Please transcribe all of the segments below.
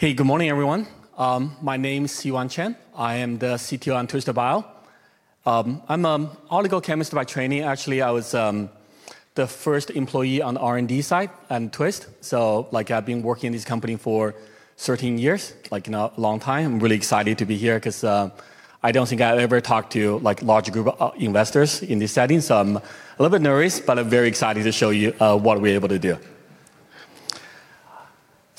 Hey, good morning, everyone. My name is Siyuan Chen. I am the CTO on Twist Bio. I'm an oligochemist by training. Actually, I was the first employee on the R&D side at Twist. I've been working in this company for 13 years, a long time. I'm really excited to be here because I don't think I've ever talked to a large group of investors in this setting. I'm a little bit nervous, but I'm very excited to show you what we're able to do.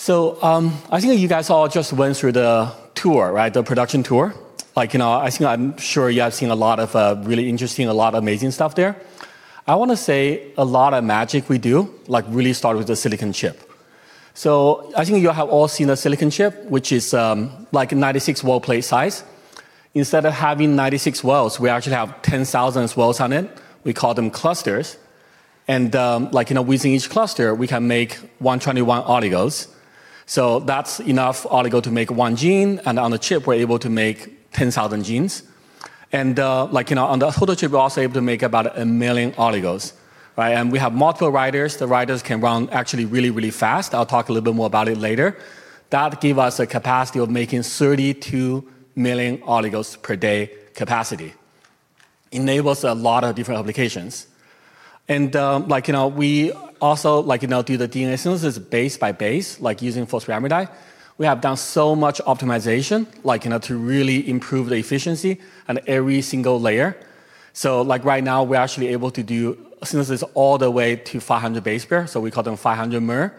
I think you guys all just went through the tour, right? The production tour. I'm sure you have seen a lot of really interesting, a lot of amazing stuff there. I want to say a lot of magic we do, really started with the silicon chip. I think you have all seen a silicon chip, which is 96-well plate size. Instead of having 96 wells, we actually have 10,000 wells on it. We call them clusters. Within each cluster, we can make 121 oligos. That's enough oligo to make one gene. On the chip, we're able to make 10,000 genes. On the photo chip, we're also able to make about 1 million oligos. We have multiple writers. The writers can run actually really, really fast. I'll talk a little bit more about it later. That give us a capacity of making 32 million oligos per day capacity, enables a lot of different applications. We also do the DNA synthesis base by base, like using phosphoramidite. We have done so much optimization to really improve the efficiency on every single layer. Right now, we're actually able to do synthesis all the way to 500 base pair, so we call them 500-mer,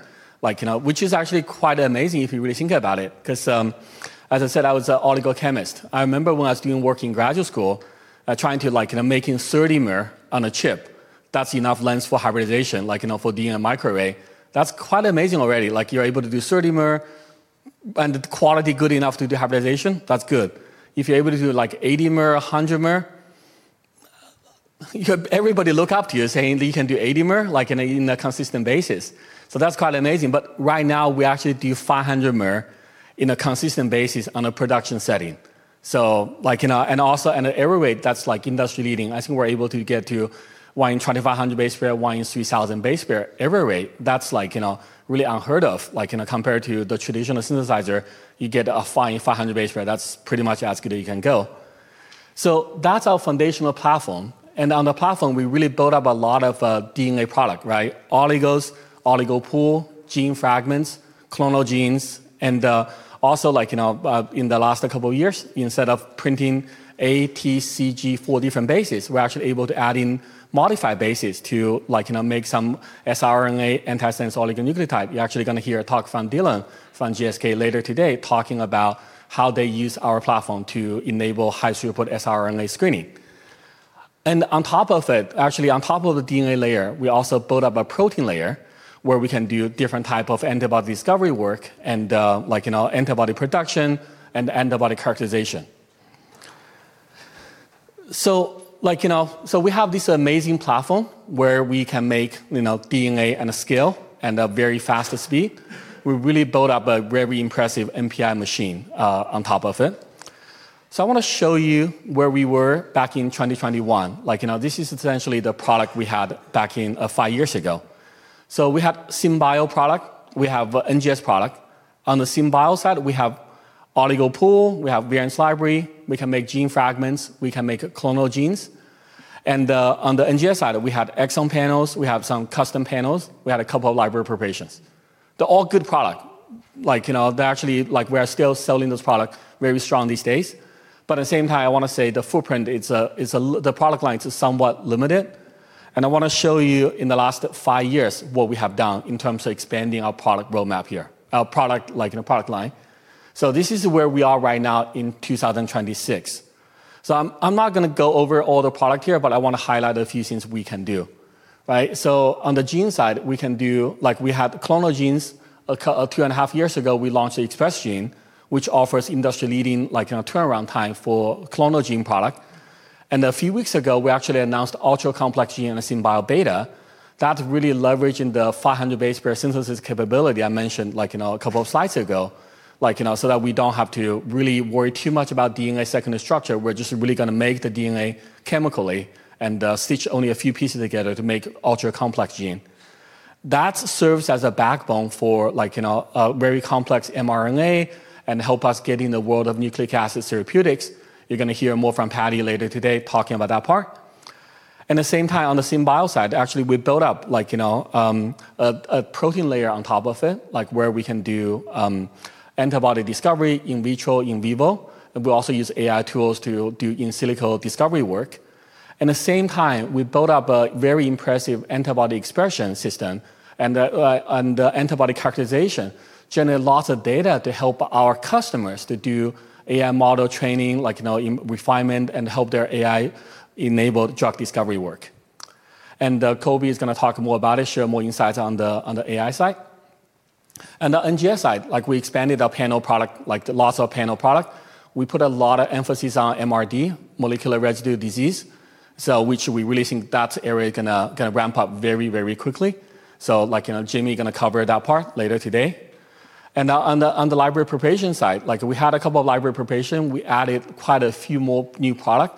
which is actually quite amazing if you really think about it, because, as I said, I was an oligochemist. I remember when I was doing work in graduate school, trying to making 30-mer on a chip. That's enough length for hybridization, like for DNA microarray. That's quite amazing already. You're able to do 30-mer and the quality good enough to do hybridization. That's good. If you're able to do 80-mer, 100-mer, everybody look up to you saying that you can do 80-mer in a consistent basis. That's quite amazing, but right now, we actually do 500-mer in a consistent basis on a production setting. Also error rate, that's industry-leading. I think we're able to get to one in 2,500 base pair, one in 3,000 base pair error rate. That's really unheard of compared to the traditional synthesizer, you get a five in 500 base pair. That's pretty much as good as you can go. That's our foundational platform, and on the platform, we really built up a lot of DNA product. Oligos, oligo pool, gene fragments, clonal genes. Also in the last couple of years, instead of printing A, T, C, G, four different bases, we're actually able to add in modified bases to make some siRNA antisense oligonucleotide. You're actually going to hear a talk from Dillon from GSK later today talking about how they use our platform to enable high-throughput siRNA screening. On top of it, actually, on top of the DNA layer, we also built up a protein layer where we can do different type of antibody discovery work and antibody production and antibody characterization. We have this amazing platform where we can make DNA in a scale and a very fastest speed. We really built up a very impressive NPI machine on top of it. I want to show you where we were back in 2021. This is essentially the product we had back in five years ago. We have synbio product, we have NGS product. On the synbio side, we have oligo pool, we have variant library, we can make gene fragments, we can make clonal genes. On the NGS side, we have exome panels, we have some custom panels, we had a couple of library preparations. They're all good product. We are still selling those product very strong these days. At the same time, I want to say the footprint, the product lines is somewhat limited, and I want to show you in the last five years what we have done in terms of expanding our product roadmap here, our product line. This is where we are right now in 2026. I'm not going to go over all the product here, but I want to highlight a few things we can do. On the gene side, we have clonal genes. Two and a half years ago, we launched the Express Genes, which offers industry-leading turnaround time for clonal gene product. A few weeks ago, we actually announced ultra complex gene and SynBioBeta. That really leveraging the 500 base pair synthesis capability I mentioned a couple of slides ago, so that we don't have to really worry too much about DNA secondary structure. We're just really going to make the DNA chemically and stitch only a few pieces together to make ultra complex gene. That serves as a backbone for a very complex mRNA and help us get in the world of nucleic acid therapeutics. You're going to hear more from Paddy later today talking about that part. At the same time, on the synbio side, actually, we built up a protein layer on top of it, where we can do antibody discovery in vitro, in vivo, and we also use AI tools to do in silico discovery work. At the same time, we built up a very impressive antibody expression system and antibody characterization, generate lots of data to help our customers to do AI model training, refinement, and help their AI-enabled drug discovery work. Colby is going to talk more about it, share more insights on the AI side. On the NGS side, we expanded our panel product, lots of panel product. We put a lot of emphasis on MRD, molecular residual disease. Which we really think that area going to ramp up very, very quickly. Jimmy going to cover that part later today. On the library preparation side, we had a couple of library preparation. We added quite a few more new product,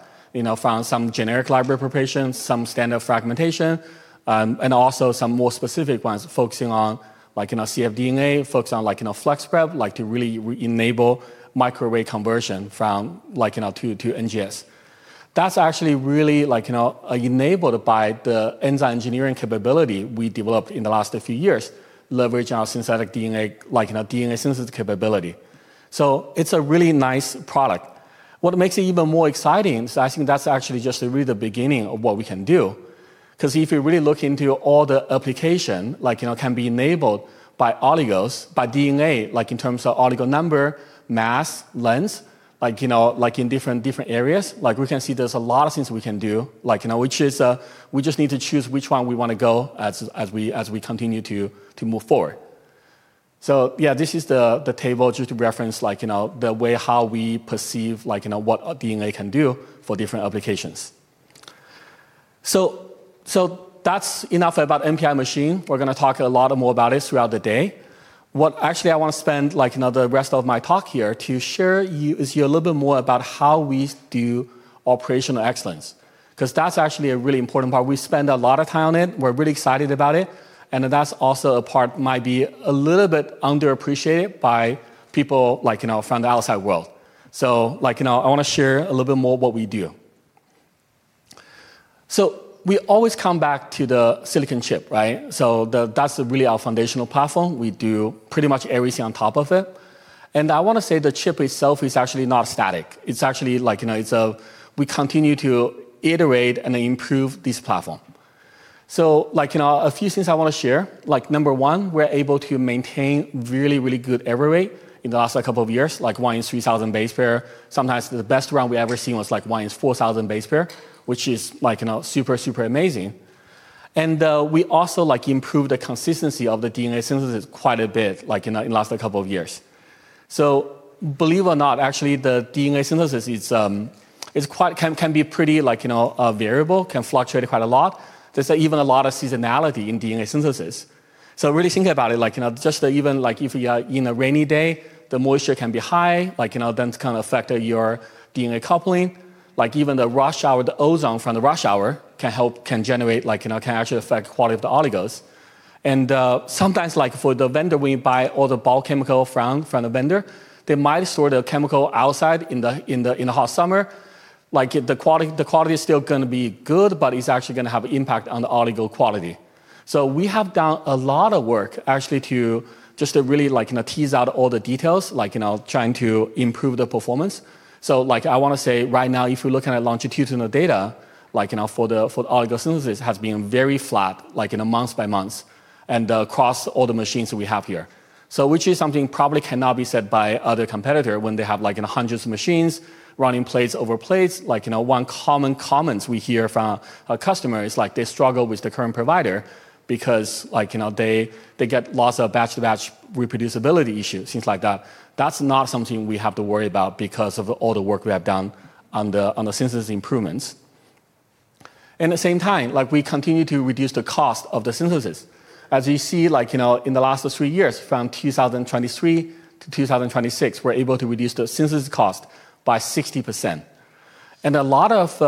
found some generic library preparation, some standard fragmentation, and also some more specific ones focusing on cfDNA, focus on FlexPrep, to really enable microarray conversion [from two to NGS]. That's actually really enabled by the enzyme engineering capability we developed in the last few years, leveraging our synthetic DNA synthesis capability. It's a really nice product. What makes it even more exciting is I think that's actually just really the beginning of what we can do. If you really look into all the application, can be enabled by oligos, by DNA, in terms of oligo number, mass, length, in different areas. We can see there's a lot of things we can do, which is we just need to choose which one we want to go as we continue to move forward. Yeah, this is the table just to reference the way how we perceive what DNA can do for different applications. That's enough about NPI machine. We're going to talk a lot more about it throughout the day. What actually I want to spend the rest of my talk here to share with you a little bit more about how we do operational excellence, because that's actually a really important part. We spend a lot of time on it. We're really excited about it, and that's also a part might be a little bit underappreciated by people from the outside world. I want to share a little bit more what we do. We always come back to the silicon chip, right? That's really our foundational platform. We do pretty much everything on top of it. I want to say the chip itself is actually not static. It's actually, we continue to iterate and improve this platform. A few things I want to share. Number one, we're able to maintain really, really good error rate in the last couple of years. Like one in 3,000 base pair. Sometimes the best run we ever seen was one in 4,000 base pair, which is super amazing. We also improved the consistency of the DNA synthesis quite a bit in the last couple of years. Believe it or not, actually, the DNA synthesis can be pretty variable, can fluctuate quite a lot. There's even a lot of seasonality in DNA synthesis. Really think about it, just even if in a rainy day, the moisture can be high, that's going to affect your DNA coupling. Like even the rush hour, the ozone from the rush hour can actually affect quality of the oligos. Sometimes for the vendor, we buy all the bulk chemical from the vendor. They might store the chemical outside in the hot summer. The quality is still going to be good, but it's actually going to have impact on the oligo quality. We have done a lot of work, actually, to just to really tease out all the details, trying to improve the performance. I want to say right now, if we look at longitudinal data, for the oligo synthesis has been very flat, month by month, and across all the machines that we have here. Which is something probably cannot be said by other competitor when they have hundreds of machines running plates over plates. One common comments we hear from a customer is they struggle with the current provider because they get lots of batch-to-batch reproducibility issues, things like that. That's not something we have to worry about because of all the work we have done on the synthesis improvements. In the same time, we continue to reduce the cost of the synthesis. As you see, in the last three years, from 2023 to 2026, we're able to reduce the synthesis cost by 60%. A lot of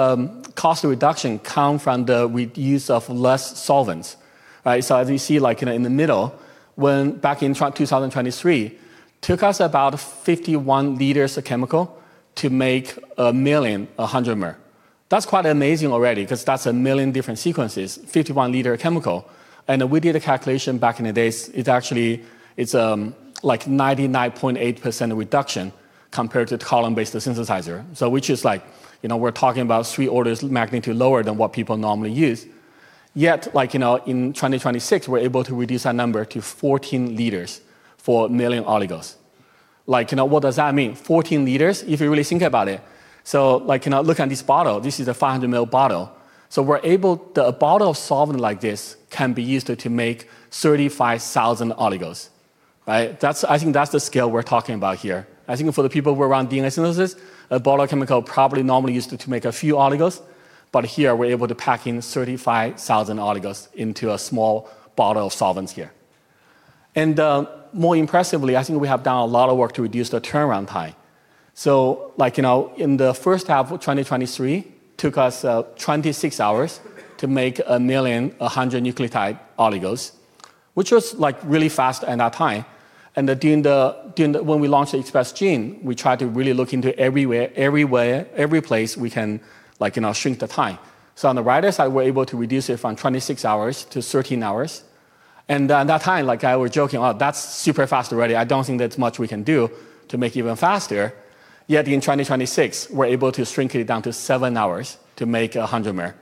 cost reduction come from the use of less solvents. Right? As you see in the middle, when back in 2023, took us about 51 L of chemical to make a million, 100-mer. That's quite amazing already because that's a million different sequences, 51 L of chemical. We did a calculation back in the days. It's actually 99.8% reduction compared to the column-based synthesizer. Which is we're talking about three orders of magnitude lower than what people normally use. Yet, in 2026, we're able to reduce that number to 14 L for 1 million oligos. What does that mean, 14 L? If you really think about it. Look at this bottle. This is a 500 mL bottle. A bottle of solvent like this can be used to make 35,000 oligos. Right? I think that's the scale we're talking about here. I think for the people who are around DNA synthesis, a bottle of chemical probably normally used to make a few oligos, but here, we're able to pack in 35,000 oligos into a small bottle of solvents here. More impressively, I think we have done a lot of work to reduce the turnaround time. In the first half of 2023, took us 26 hours to make 1 million, 100-nucleotide oligos, which was really fast at that time. When we launched Express Genes, we tried to really look into everywhere, every way, every place we can shrink the time. On the writer side, we were able to reduce it from 26 hours to 13 hours, and at that time, I was joking, "Oh, that's super fast already. I don't think there's much we can do to make it even faster." Yet in 2026, we're able to shrink it down to seven hours to make 100-mer,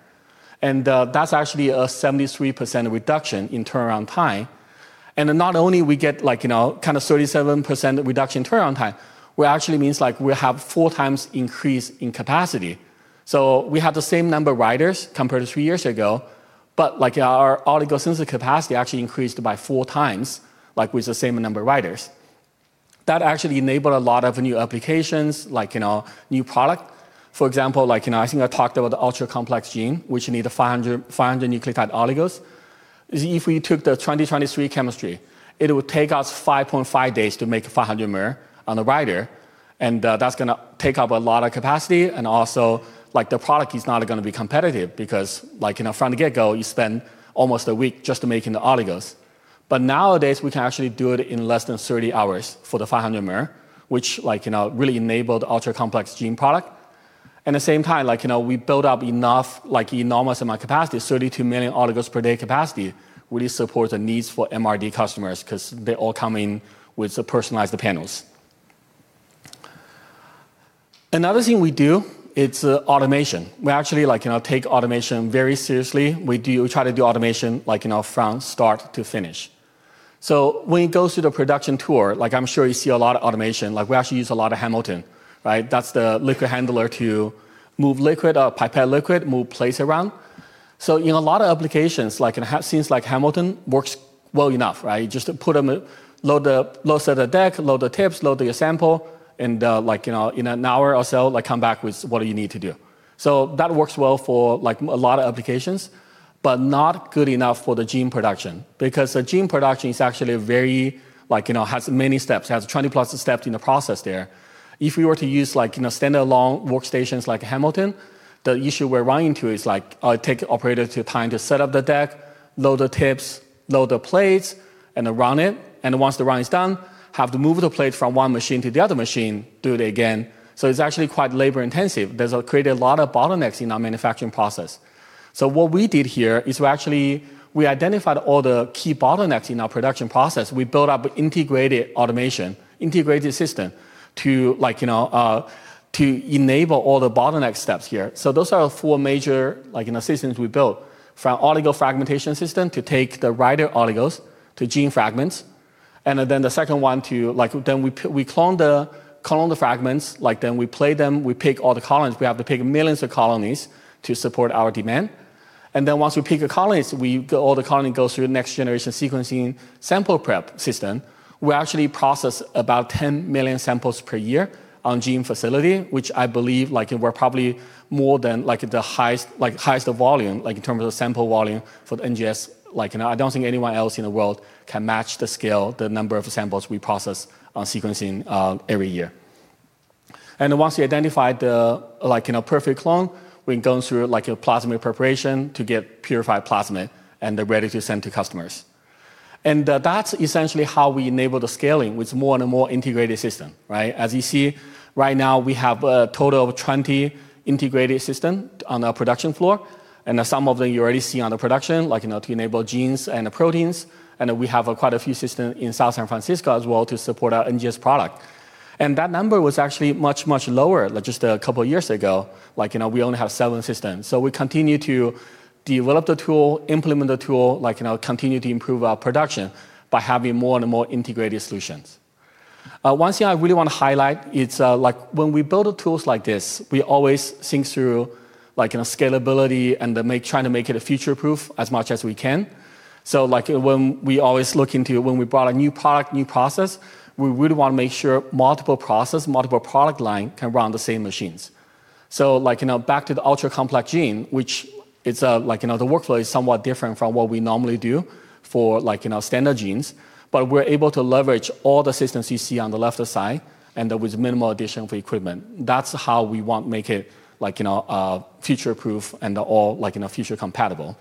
and that's actually a 73% reduction in turnaround time. Not only we get 37% reduction in turnaround time, which actually means we have 4x increase in capacity. We have the same number of writers compared to three years ago, but our oligo sensor capacity actually increased by 4x with the same number of writers. That actually enabled a lot of new applications, new product. For example, I think I talked about the ultra complex gene, which need a 500-nucleotide oligos. If we took the 2023 chemistry, it would take us 5.5 days to make a 500-mer on the writer, and that's going to take up a lot of capacity, and also, the product is not going to be competitive because from the get-go, you spend almost a week just making the oligos. Nowadays, we can actually do it in less than 30 hours for the 500-mer, which really enabled ultra complex gene product. At the same time, we built up enough enormous amount capacity, 32 million oligos per day capacity, really support the needs for MRD customers because they all come in with the personalized panels. Another thing we do, it's automation. We actually take automation very seriously. We try to do automation from start to finish. When you go through the production tour, I'm sure you see a lot of automation. We actually use a lot of Hamilton, right? That's the liquid handler to move liquid, pipette liquid, move plates around. In a lot of applications, in scenes like Hamilton works well enough, right? Just load the deck, load the tips, load the sample, and in an hour or so, come back with what you need to do. That works well for a lot of applications, but not good enough for the gene production because the gene production has many steps, has 20+ steps in the process there. If we were to use standalone workstations like Hamilton, the issue we're running into is it takes operator time to set up the deck, load the tips, load the plates, and run it, and once the run is done, have to move the plate from one machine to the other machine, do it again. It's actually quite labor intensive. That's created a lot of bottlenecks in our manufacturing process. What we did here is we identified all the key bottlenecks in our production process. We built up integrated automation, integrated system to enable all the bottleneck steps here. Those are four major systems we built from oligo fragmentation system to take the rider oligos to gene fragments, and then the second one to clone the fragments, then we plate them, we pick all the colonies. We have to pick millions of colonies to support our demand, and then once we pick the colonies, all the colony goes through the Next-Generation Sequencing sample prep system. We actually process about 10 million samples per year on gene facility, which I believe we're probably more than the highest volume in terms of the sample volume for the NGS. I don't think anyone else in the world can match the scale, the number of samples we process on sequencing every year. Once you identify the perfect clone, we can go through a plasmid preparation to get purified plasmid and they're ready to send to customers. That's essentially how we enable the scaling with more and more integrated system, right. As you see right now, we have a total of 20 integrated system on our production floor, and some of them you already see on the production to enable genes and proteins. We have quite a few systems in San Francisco as well to support our NGS product. That number was actually much, much lower just a couple of years ago. We only have seven systems. We continue to develop the tool, implement the tool, continue to improve our production by having more and more integrated solutions. One thing I really want to highlight, it's when we build tools like this, we always think through scalability and trying to make it future-proof as much as we can. When we always look into when we brought a new product, new process, we really want to make sure multiple process, multiple product line can run the same machines. Back to the ultra complex gene, which the workflow is somewhat different from what we normally do for standard genes, but we're able to leverage all the systems you see on the left side, and with minimal addition of equipment. That's how we want make it future-proof and all future compatible.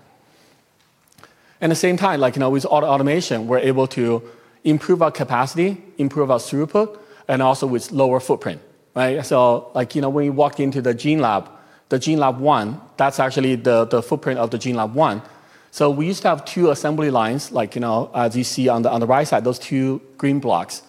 At the same time, with auto automation, we're able to improve our capacity, improve our throughput, and also with lower footprint, right? When you walk into the Gene Lab, the Gene Lab 1, that's actually the footprint of the Gene Lab 1. We used to have two assembly lines as you see on the right side, those two green blocks.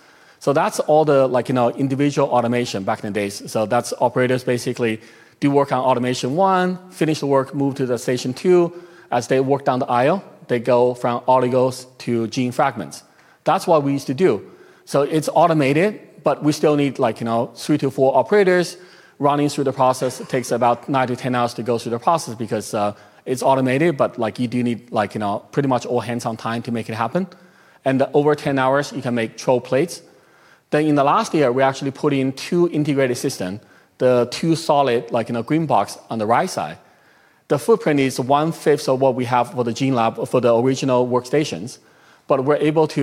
That's all the individual automation back in the days. That's operators basically do work on Automation 1, finish the work, move to the Station 2. As they work down the aisle, they go from oligos to gene fragments. That's what we used to do. It's automated, but we still need three to four operators running through the process. It takes about 9-10 hours to go through the process because it's automated, but you do need pretty much all hands on time to make it happen. Over 10 hours, you can make 12 plates. In the last year, we actually put in two integrated system, the two solid green box on the right side. The footprint is 1/5 of what we have for the gene lab for the original workstations, but we're able to,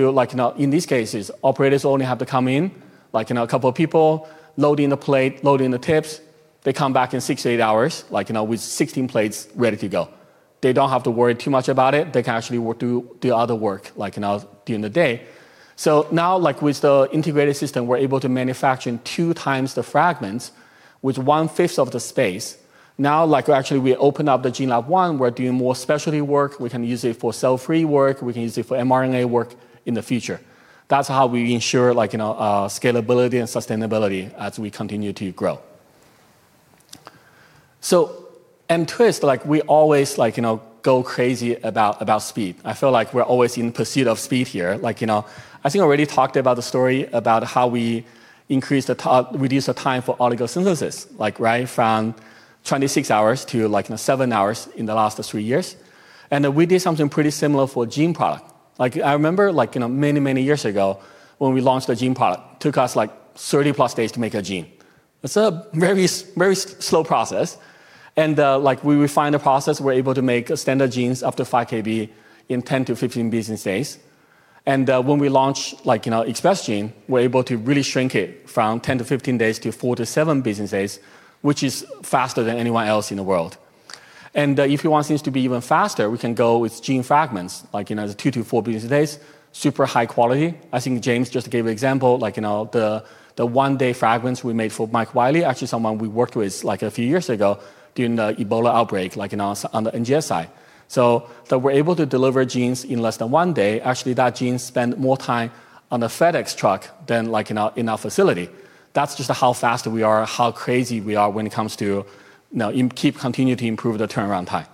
in these cases, operators only have to come in, a couple of people loading the plate, loading the tips. They come back in six to eight hours with 16 plates ready to go. They don't have to worry too much about it. They can actually do other work during the day. Now with the integrated system, we're able to manufacture 2x the fragments with 1/5 of the space. Now, actually, we open up the Gene Lab 1. We're doing more specialty work. We can use it for cell-free work. We can use it for mRNA work in the future. That's how we ensure scalability and sustainability as we continue to grow. In Twist, we always go crazy about speed. I feel like we're always in pursuit of speed here. I think I already talked about the story about how we reduce the time for oligosynthesis from 26 hours to seven hours in the last three years. We did something pretty similar for gene product. I remember many, many years ago when we launched a gene product, took us 30+ days to make a gene. It's a very slow process, and we refined the process. We're able to make standard genes up to 5 KB in 10-15 business days, and when we launch Express Genes, we're able to really shrink it from 10-15 days to four to seven business days, which is faster than anyone else in the world. If you want things to be even faster, we can go with gene fragments, like as two to four business days, super high quality. I think James just gave an example, the one-day fragments we made for Mike Wiley, actually someone we worked with a few years ago during the Ebola outbreak on the NGS. We're able to deliver genes in less than one day. Actually, that gene spent more time on the FedEx truck than in our facility. That's just how fast we are, how crazy we are when it comes to keep continuing to improve the turnaround time.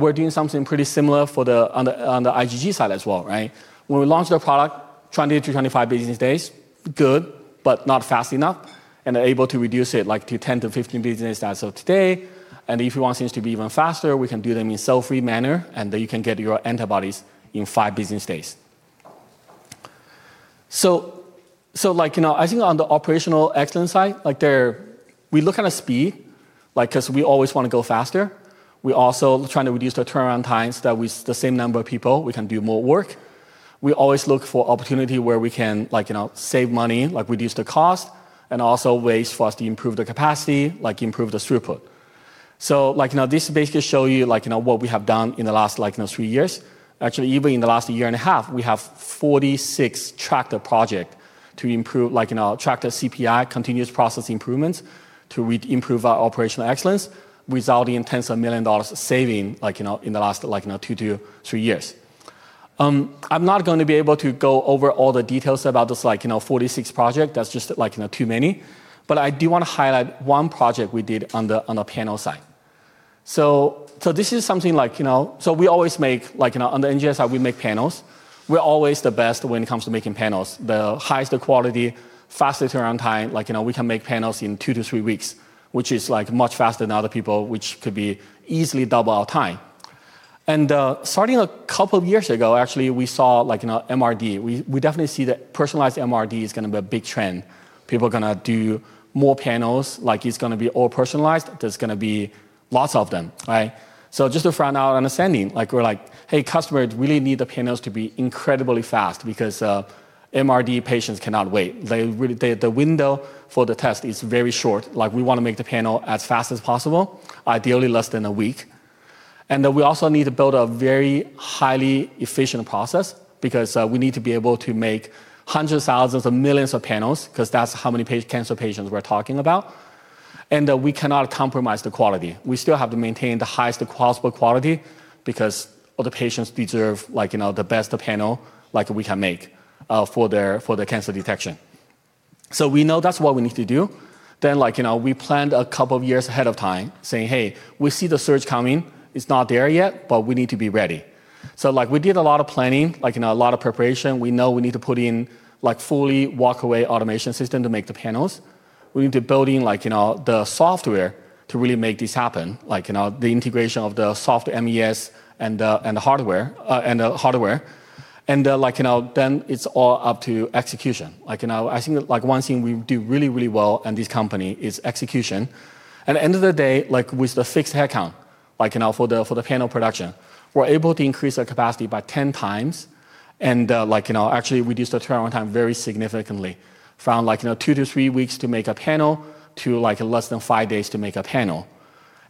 We're doing something pretty similar on the IgG side as well, right? When we launched our product, 20-25 business days, good, but not fast enough. Able to reduce it to 10-15 business days as of today. If you want things to be even faster, we can do them in cell-free manner, and you can get your antibodies in five business days. I think on the operational excellence side, we look at speed, because we always want to go faster. We also try to reduce the turnaround times that with the same number of people, we can do more work. We always look for opportunity where we can save money, reduce the cost, and also ways for us to improve the capacity, improve the throughput. This basically shows you what we have done in the last three years. Actually, even in the last a year and a half, we have 46 tracked projects to improve our tracked CPI, continuous process improvements, to improve our operational excellence, resulting in tens of million dollars of saving in the last two to three years. I am not going to be able to go over all the details about these 46 projects. That is just too many. I do want to highlight one project we did on the panel side. We always make, on the NGS, I, we make panels. We're always the best when it comes to making panels. The highest quality, fastest turnaround time. We can make panels in two to three weeks, which is much faster than other people, which could be easily double our time. Starting a couple of years ago, actually, we saw MRD. We definitely see that personalized MRD is going to be a big trend. People are going to do more panels. It's going to be all personalized. There's going to be lots of them, right. Just to find out understanding, we're like, "Hey, customers really need the panels to be incredibly fast because MRD patients cannot wait." The window for the test is very short. We want to make the panel as fast as possible, ideally less than a week. We also need to build a very highly efficient process because we need to be able to make hundreds, thousands of millions of panels, because that's how many cancer patients we're talking about. We cannot compromise the quality. We still have to maintain the highest possible quality because all the patients deserve the best panel we can make for their cancer detection. We know that's what we need to do. We planned a couple of years ahead of time saying, "Hey, we see the surge coming. It's not there yet, but we need to be ready." We did a lot of planning, a lot of preparation. We know we need to put in fully walk-away automation system to make the panels. We need to build in the software to really make this happen, the integration of the soft MES and the hardware. It's all up to execution. I think one thing we do really, really well in this company is execution. At the end of the day, with the fixed headcount for the panel production, we're able to increase our capacity by 10x and actually reduce the turnaround time very significantly. From two to three weeks to make a panel, to less than five days to make a panel.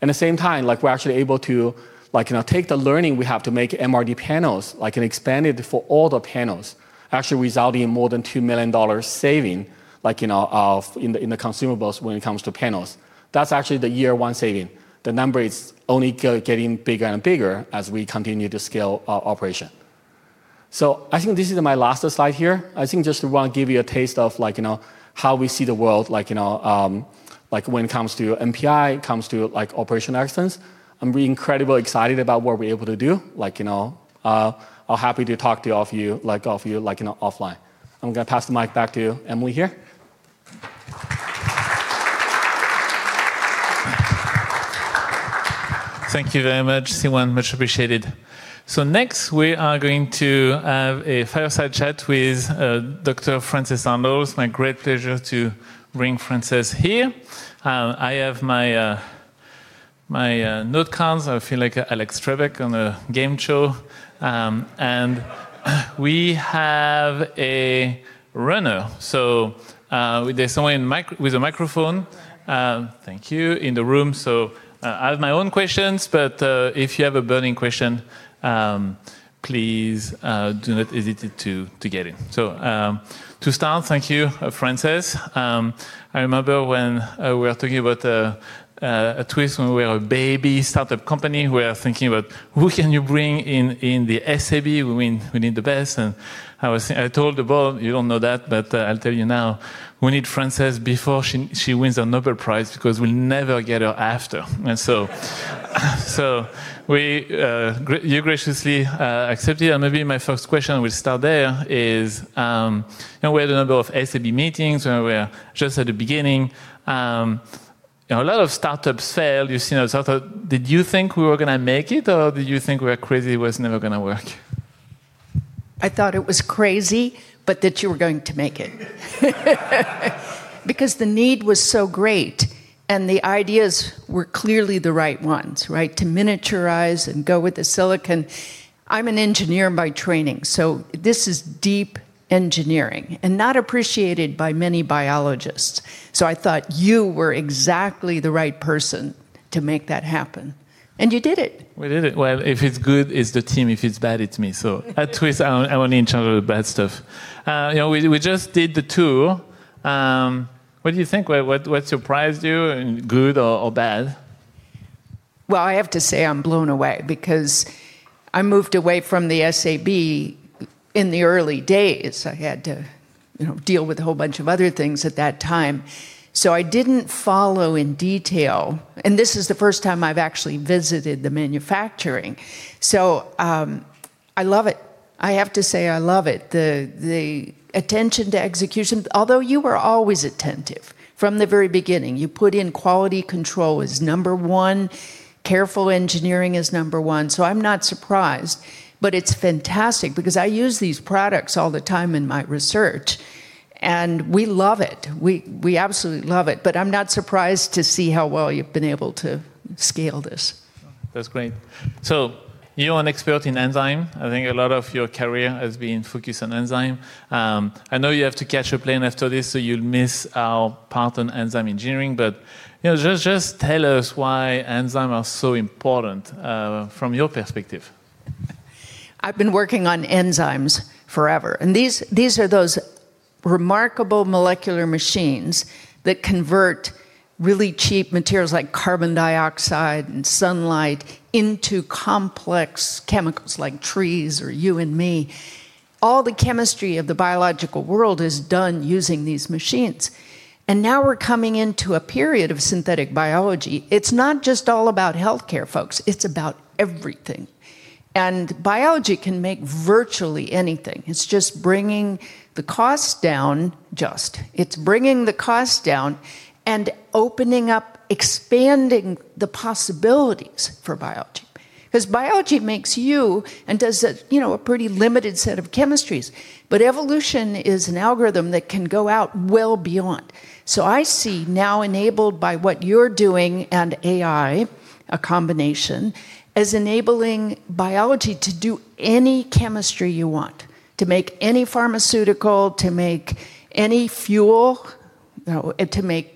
At the same time, we're actually able to take the learning we have to make MRD panels, and expand it for all the panels, actually resulting in more than $2 million saving in the consumables when it comes to panels. That's actually the year-one saving. The number is only getting bigger and bigger as we continue to scale our operation. I think this is my last slide here. I think just want to give you a taste of how we see the world, when it comes to NPI, it comes to operational excellence. I'm really incredibly excited about what we're able to do. I'm happy to talk to all of you offline. I'm going to pass the mic back to Emily here. Thank you very much, Siyuan. Much appreciated. Next, we are going to have a fireside chat with Dr. Frances Arnold. It's my great pleasure to bring Frances here. I have my note cards. I feel like Alex Trebek on a game show. We have a runner. There's someone with a microphone- Right. Thank you, in the room. I have my own questions, but if you have a burning question, please do not hesitate to get in. To start, thank you, Frances. I remember when we were talking about Twist when we were a baby startup company. We were thinking about who can you bring in the SAB. We need the best, and I told the board, you don't know that, but I'll tell you now, we need Frances before she wins a Nobel Prize because we'll never get her after. You graciously accepted. Maybe my first question, we'll start there is, we had a number of SAB meetings when we were just at the beginning. A lot of startups fail. Did you think we were going to make it, or did you think we were crazy, it was never going to work? I thought it was crazy, but that you were going to make it. The need was so great, and the ideas were clearly the right ones, right? To miniaturize and go with the silicon. I'm an engineer by training, so this is deep engineering and not appreciated by many biologists. I thought you were exactly the right person to make that happen, and you did it. We did it. Well, if it's good, it's the team. If it's bad, it's me. At Twist, I'm only in charge of the bad stuff. We just did the tour. What do you think? What surprised you, in good or bad? Well, I have to say I'm blown away because I moved away from the SAB in the early days. I had to deal with a whole bunch of other things at that time, so I didn't follow in detail. This is the first time I've actually visited the manufacturing. I love it. I have to say, I love it. The attention to execution. Although you were always attentive from the very beginning. You put in quality control as number one, careful engineering as number one. I'm not surprised, but it's fantastic because I use these products all the time in my research, and we love it. We absolutely love it. I'm not surprised to see how well you've been able to scale this. That's great. You're an expert in enzyme. I think a lot of your career has been focused on enzyme. I know you have to catch a plane after this, so you'll miss our part on enzyme engineering. Just tell us why enzyme are so important from your perspective. I've been working on enzymes forever, and these are those remarkable molecular machines that convert really cheap materials like carbon dioxide and sunlight into complex chemicals like trees or you and me. All the chemistry of the biological world is done using these machines. Now we're coming into a period of synthetic biology. It's not just all about healthcare, folks. It's about everything. Biology can make virtually anything. It's just bringing the cost down. It's bringing the cost down and opening up, expanding the possibilities for biology. Biology makes you and does a pretty limited set of chemistries. Evolution is an algorithm that can go out well beyond. I see now, enabled by what you're doing and AI, a combination, as enabling biology to do any chemistry you want, to make any pharmaceutical, to make any fuel, to make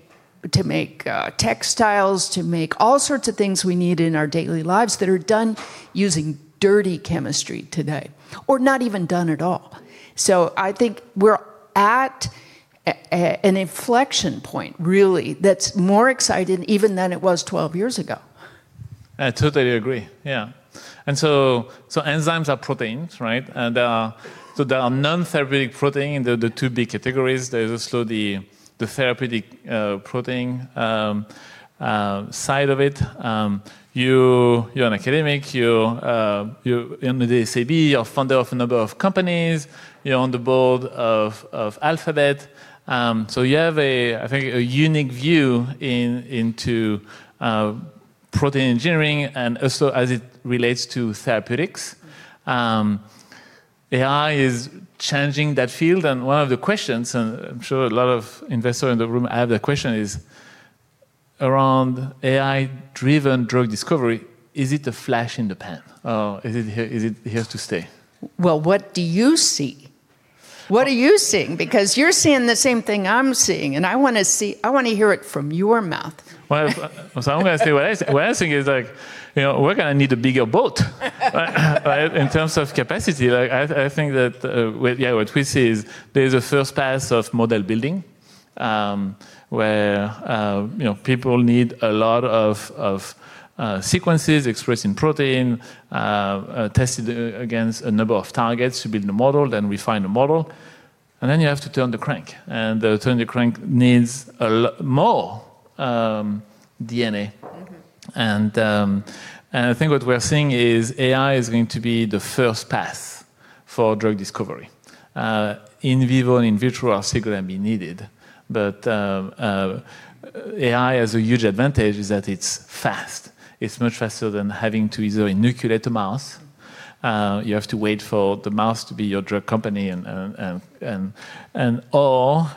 textiles, to make all sorts of things we need in our daily lives that are done using dirty chemistry today, or not even done at all. I think we're at an inflection point, really, that's more exciting even than it was 12 years ago. I totally agree. Yeah. Enzymes are proteins, right? There are non-therapeutic protein in the two big categories. There's also the therapeutic protein side of it. You're an academic. You're in the SAB. You're founder of a number of companies. You're on the board of Alphabet. You have, I think, a unique view into protein engineering and also as it relates to therapeutics. AI is changing that field. One of the questions, and I'm sure a lot of investors in the room have the question, is around AI-driven drug discovery. Is it a flash in the pan, or is it here to stay? Well, what do you see? What are you seeing? Because you're seeing the same thing I'm seeing, and I want to hear it from your mouth. Well, I'm going to say what I see. What I see is we're going to need a bigger boat in terms of capacity. I think that what Twist is, there's a first pass of model building, where people need a lot of sequences expressed in protein, tested against a number of targets to build the model. We find a model, then you have to turn the crank. Turning the crank needs a lot more DNA. I think what we're seeing is AI is going to be the first pass for drug discovery. In vivo and in vitro are still going to be needed. AI has a huge advantage is that it's fast. It's much faster than having to either inoculate a mouse. You have to wait for the mouse to be your drug company or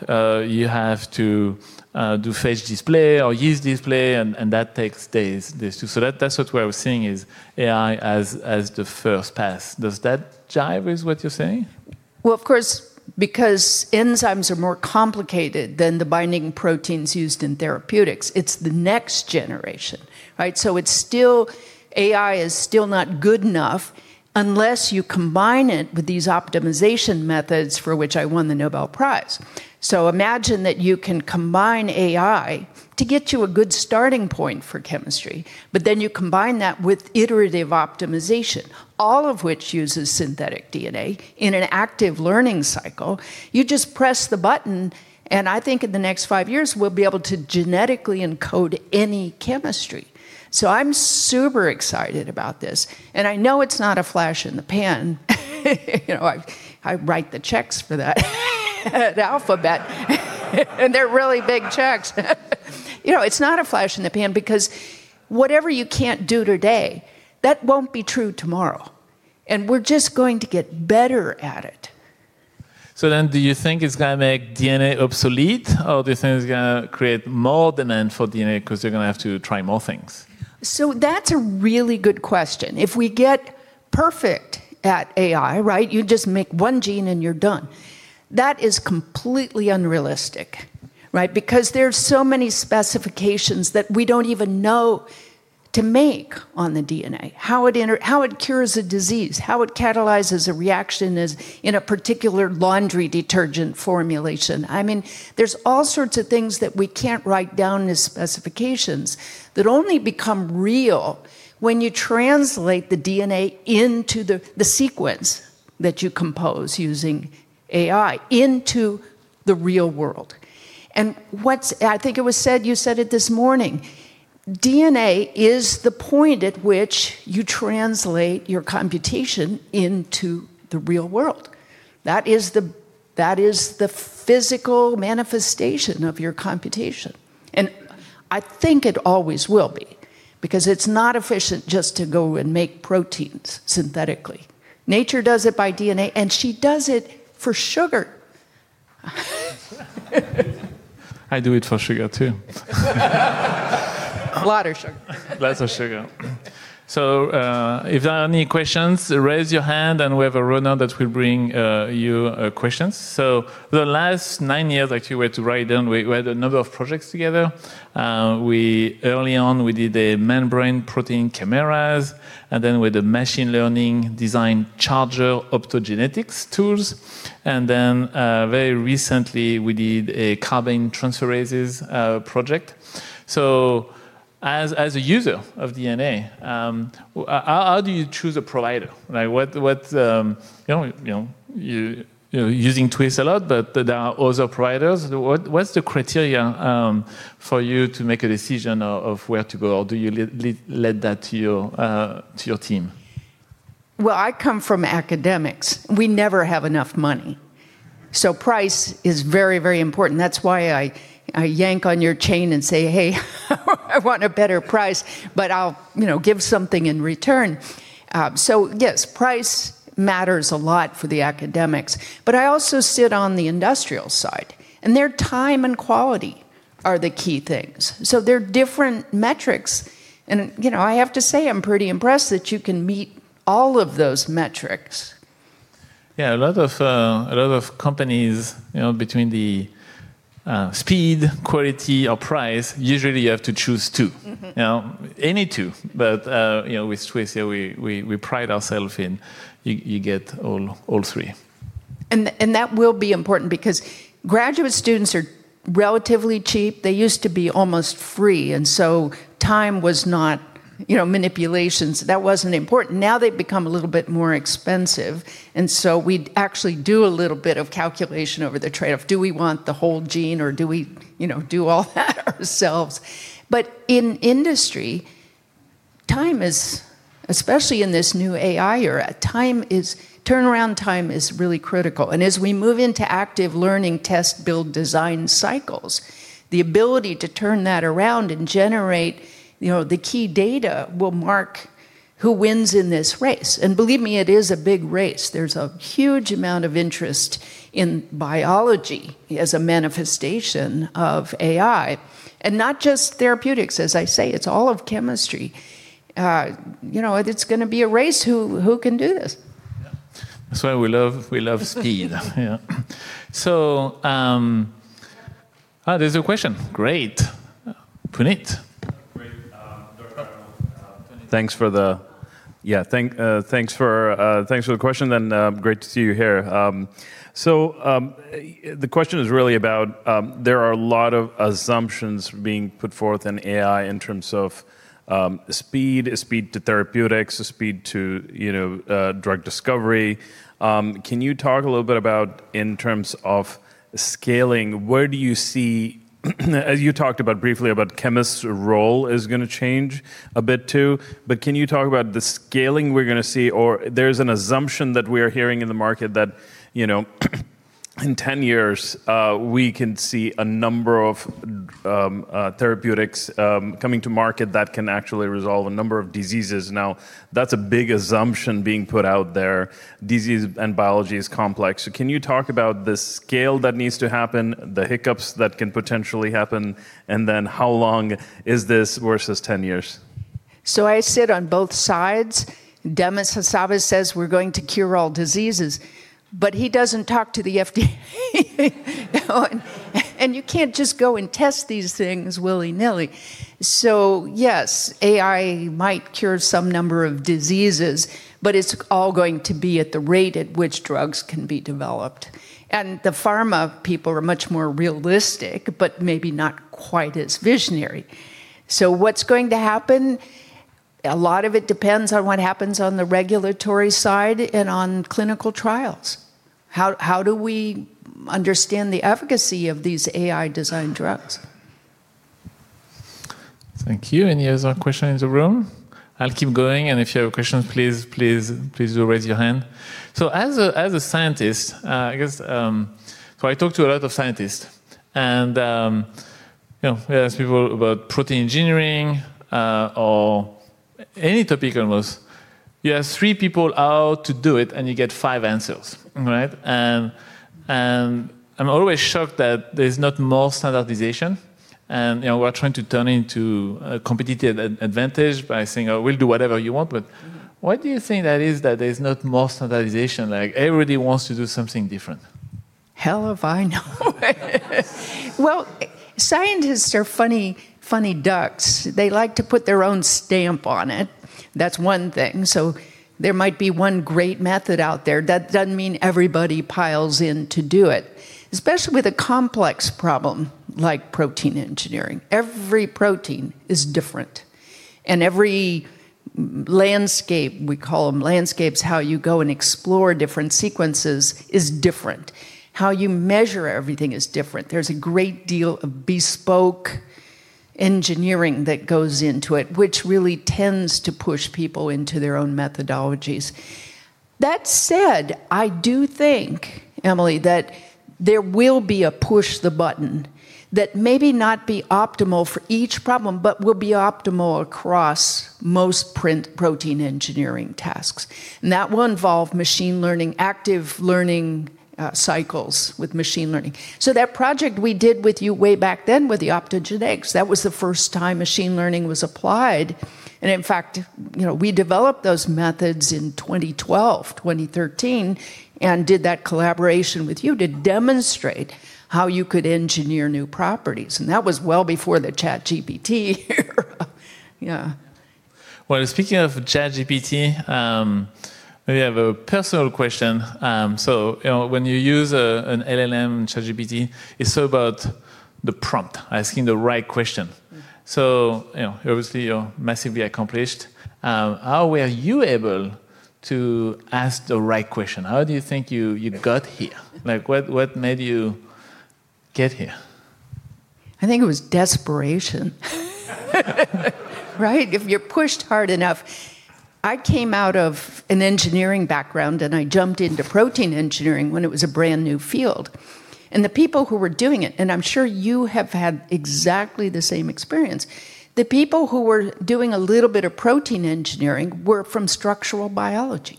you have to do phage display or yeast display, and that takes days. That's what we're seeing is AI as the first pass. Does that jive with what you're saying? Of course, because enzymes are more complicated than the binding proteins used in therapeutics, it's the next generation, right? AI is still not good enough unless you combine it with these optimization methods for which I won the Nobel Prize. Imagine that you can combine AI to get you a good starting point for chemistry. You combine that with iterative optimization, all of which uses synthetic DNA in an active learning cycle. You just press the button, and I think in the next five years, we'll be able to genetically encode any chemistry. I'm super excited about this, and I know it's not a flash in the pan. I write the checks for that at Alphabet. They're really big checks. It's not a flash in the pan because whatever you can't do today, that won't be true tomorrow, and we're just going to get better at it. Do you think it's going to make DNA obsolete, or do you think it's going to create more demand for DNA because they're going to have to try more things? That's a really good question. If we get perfect at AI, you just make one gene and you're done. That is completely unrealistic. There's so many specifications that we don't even know to make on the DNA, how it cures a disease, how it catalyzes a reaction in a particular laundry detergent formulation. There's all sorts of things that we can't write down as specifications that only become real when you translate the DNA into the sequence that you compose using AI into the real world. I think you said it this morning, DNA is the point at which you translate your computation into the real world. That is the physical manifestation of your computation. I think it always will be, because it's not efficient just to go and make proteins synthetically. Nature does it by DNA, and she does it for sugar. I do it for sugar, too. A lot of sugar. Lots of sugar. If there are any questions, raise your hand and we have a runner that will bring you questions. The last nine years, actually, we had to write down, we had a number of projects together. Early on, we did the membrane protein chimeras, and then we did machine learning design channelrhodopsin optogenetics tools. Very recently, we did a carbene transferases project. As a user of DNA, how do you choose a provider? You're using Twist a lot, but there are other providers. What's the criteria for you to make a decision of where to go, or do you leave that to your team? Well, I come from academics. We never have enough money. Price is very important. That's why I yank on your chain and say, "Hey, I want a better price," but I'll give something in return. Yes, price matters a lot for the academics, but I also sit on the industrial side, and their time and quality are the key things. They're different metrics and I have to say, I'm pretty impressed that you can meet all of those metrics. Yeah, a lot of companies, between the speed, quality, or price, usually you have to choose two. Any two. With Twist, we pride ourselves in you get all three. That will be important because graduate students are relatively cheap. They used to be almost free, and so manipulations, that wasn't important. Now they've become a little bit more expensive, and so we actually do a little bit of calculation over the trade-off. Do we want the whole gene or do we do all that ourselves? In industry, especially in this new AI era, turnaround time is really critical. As we move into active learning test build design cycles, the ability to turn that around and generate the key data will mark who wins in this race. Believe me, it is a big race. There's a huge amount of interest in biology as a manifestation of AI. Not just therapeutics, as I say, it's all of chemistry. It's going to be a race who can do this. That's why we love speed. Yeah. There's a question. Great. Puneet. Great. Dr. Arnold. Thanks for the question, and great to see you here. The question is really about there are a lot of assumptions being put forth in AI in terms of speed to therapeutics, speed to drug discovery. Can you talk a little bit about in terms of scaling, as you talked about briefly about chemists' role is going to change a bit, too. Can you talk about the scaling we're going to see? There's an assumption that we're hearing in the market that in 10 years, we can see a number of therapeutics coming to market that can actually resolve a number of diseases. That's a big assumption being put out there. Disease and biology is complex. Can you talk about the scale that needs to happen, the hiccups that can potentially happen, and then how long is this versus 10 years? I sit on both sides. Demis Hassabis says we're going to cure all diseases, but he doesn't talk to the FDA. You can't just go and test these things willy-nilly. Yes, AI might cure some number of diseases, but it's all going to be at the rate at which drugs can be developed. The pharma people are much more realistic, but maybe not quite as visionary. What's going to happen? A lot of it depends on what happens on the regulatory side and on clinical trials. How do we understand the efficacy of these AI-designed drugs? Thank you. Any other question in the room? I'll keep going, and if you have a question, please do raise your hand. As a scientist, I talk to a lot of scientists, and we ask people about protein engineering or Any topic almost, you ask three people how to do it, you get five answers. Right? I'm always shocked that there's not more standardization, we're trying to turn into a competitive advantage by saying, "Oh, we'll do whatever you want," why do you think that is that there's not more standardization? Everybody wants to do something different. Hell if I know. Well, scientists are funny ducks. They like to put their own stamp on it. That's one thing. There might be one great method out there. That doesn't mean everybody piles in to do it, especially with a complex problem like protein engineering. Every protein is different, and every landscape, we call them landscapes, how you go and explore different sequences is different. How you measure everything is different. There's a great deal of bespoke engineering that goes into it, which really tends to push people into their own methodologies. That said, I do think, Emily, that there will be a push the button that maybe not be optimal for each problem, but will be optimal across most protein engineering tasks, and that will involve machine learning, active learning cycles with machine learning. That project we did with you way back then with the optogenetics, that was the first time machine learning was applied. In fact, we developed those methods in 2012, 2013, and did that collaboration with you to demonstrate how you could engineer new properties, and that was well before the ChatGPT era. Yeah. Well, speaking of ChatGPT, I have a personal question. When you use an LLM, ChatGPT, it's all about the prompt, asking the right question. Obviously, you're massively accomplished. How were you able to ask the right question? How do you think you got here? What made you get here? I think it was desperation. If you're pushed hard enough. I came out of an engineering background, and I jumped into protein engineering when it was a brand-new field. The people who were doing it, and I'm sure you have had exactly the same experience, the people who were doing a little bit of protein engineering were from structural biology,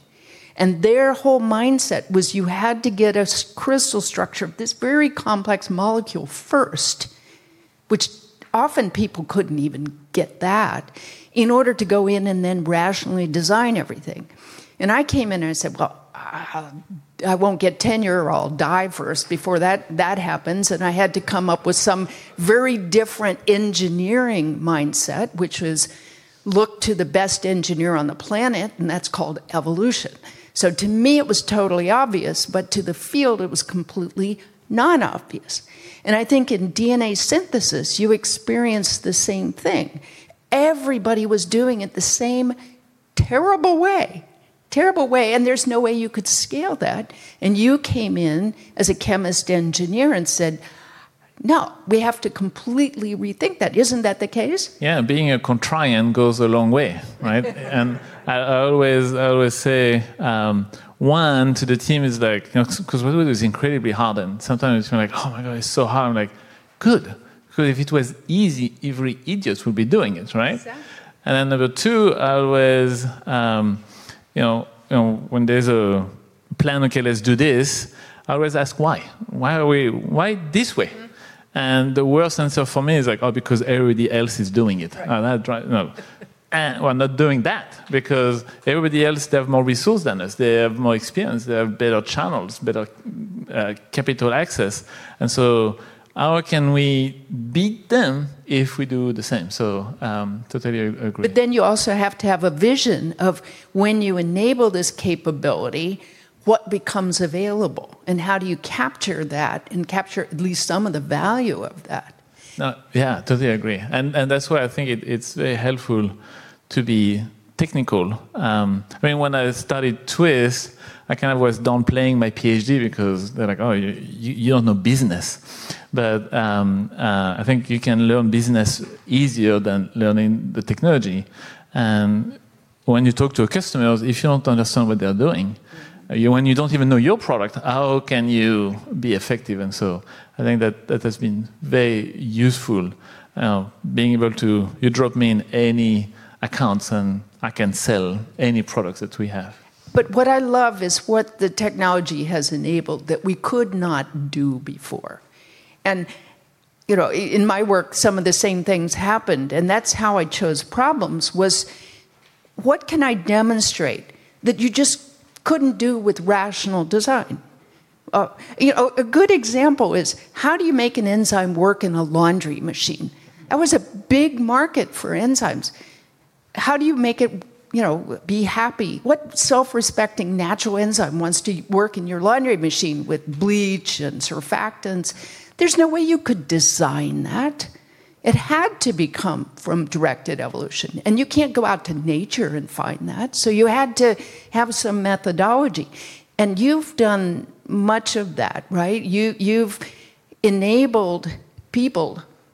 and their whole mindset was you had to get a crystal structure of this very complex molecule first, which often people couldn't even get that, in order to go in and then rationally design everything. I came in and I said, "Well, I won't get tenure or I'll die first before that happens." I had to come up with some very different engineering mindset, which was look to the best engineer on the planet, and that's called evolution. To me, it was totally obvious, but to the field, it was completely non-obvious. I think in DNA synthesis, you experienced the same thing. Everybody was doing it the same terrible way. Terrible way, and there's no way you could scale that. You came in as a chemist engineer and said, "No, we have to completely rethink that." Isn't that the case? Yeah. Being a contrarian goes a long way, right? I always say, one, to the team is because what we do is incredibly hard, and sometimes it's like, "Oh my God, it's so hard." I'm like, "Good. Good. If it was easy, every idiot would be doing it, right? Exactly. Number two, when there's a plan, "Okay, let's do this," I always ask why. Why this way? The worst answer for me is like, "Oh, because everybody else is doing it. Right. I try, no. We're not doing that because everybody else, they have more resources than us. They have more experience. They have better channels, better capital access. How can we beat them if we do the same? Totally agree. You also have to have a vision of when you enable this capability, what becomes available and how do you capture that and capture at least some of the value of that? No. Yeah, totally agree. That's why I think it's very helpful to be technical. When I started Twist, I kind of was downplaying my Ph.D. because they're like, "Oh, you don't know business." I think you can learn business easier than learning the technology. When you talk to customers, if you don't understand what they're doing, when you don't even know your product, how can you be effective? I think that has been very useful, being able to, you drop me in any accounts, and I can sell any products that we have. What I love is what the technology has enabled that we could not do before. In my work, some of the same things happened, and that's how I chose problems was, what can I demonstrate that you just couldn't do with rational design? A good example is how do you make an enzyme work in a laundry machine? That was a big market for enzymes. How do you make it be happy? What self-respecting natural enzyme wants to work in your laundry machine with bleach and surfactants? There's no way you could design that. It had to come from directed evolution, and you can't go out to nature and find that. You had to have some methodology, and you've done much of that, right?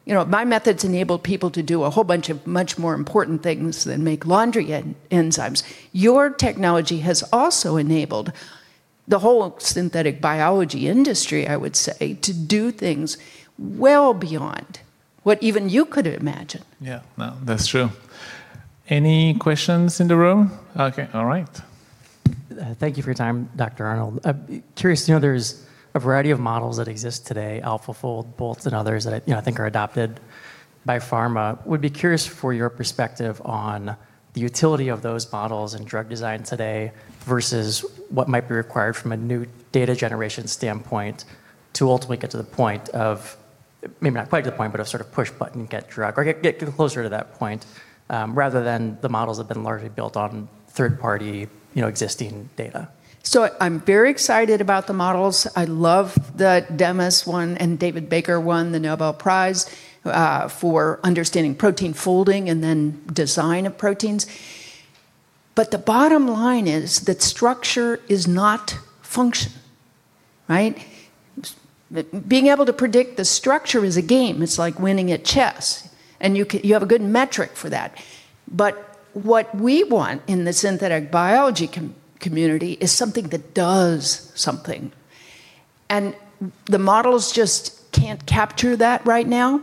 My methods enabled people to do a whole bunch of much more important things than make laundry enzymes. Your technology has also enabled the whole synthetic biology industry, I would say, to do things well beyond what even you could imagine. Yeah. No, that's true. Any questions in the room? Okay. All right. Thank you for your time, Dr. Arnold. Curious, there's a variety of models that exist today, AlphaFold, Boltz, and others that I think are adopted by pharma. Would be curious for your perspective on the utility of those models in drug design today versus what might be required from a new data generation standpoint to ultimately get to the point of, maybe not quite to the point, but a sort of push button get drug, or get closer to that point, rather than the models that have been largely built on third-party existing data. I'm very excited about the models. I love that Demis won and David Baker won the Nobel Prize for understanding protein folding and then design of proteins. The bottom line is that structure is not function. Right? That being able to predict the structure is a game. It's like winning at chess, and you have a good metric for that. What we want in the synthetic biology community is something that does something. The models just can't capture that right now,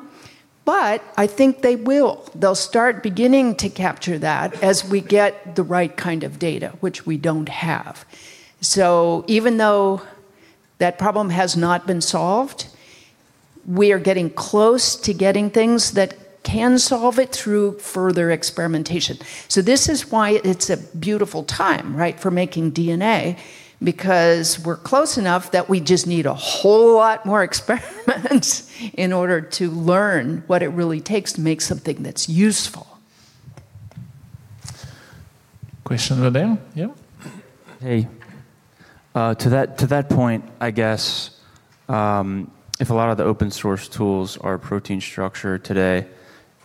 but I think they will. They'll start beginning to capture that as we get the right kind of data, which we don't have. Even though that problem has not been solved, we are getting close to getting things that can solve it through further experimentation. This is why it's a beautiful time for making DNA, because we're close enough that we just need a whole lot more experiments in order to learn what it really takes to make something that's useful. Question over there. Yeah. Hey. To that point, I guess, if a lot of the open source tools are protein structure today,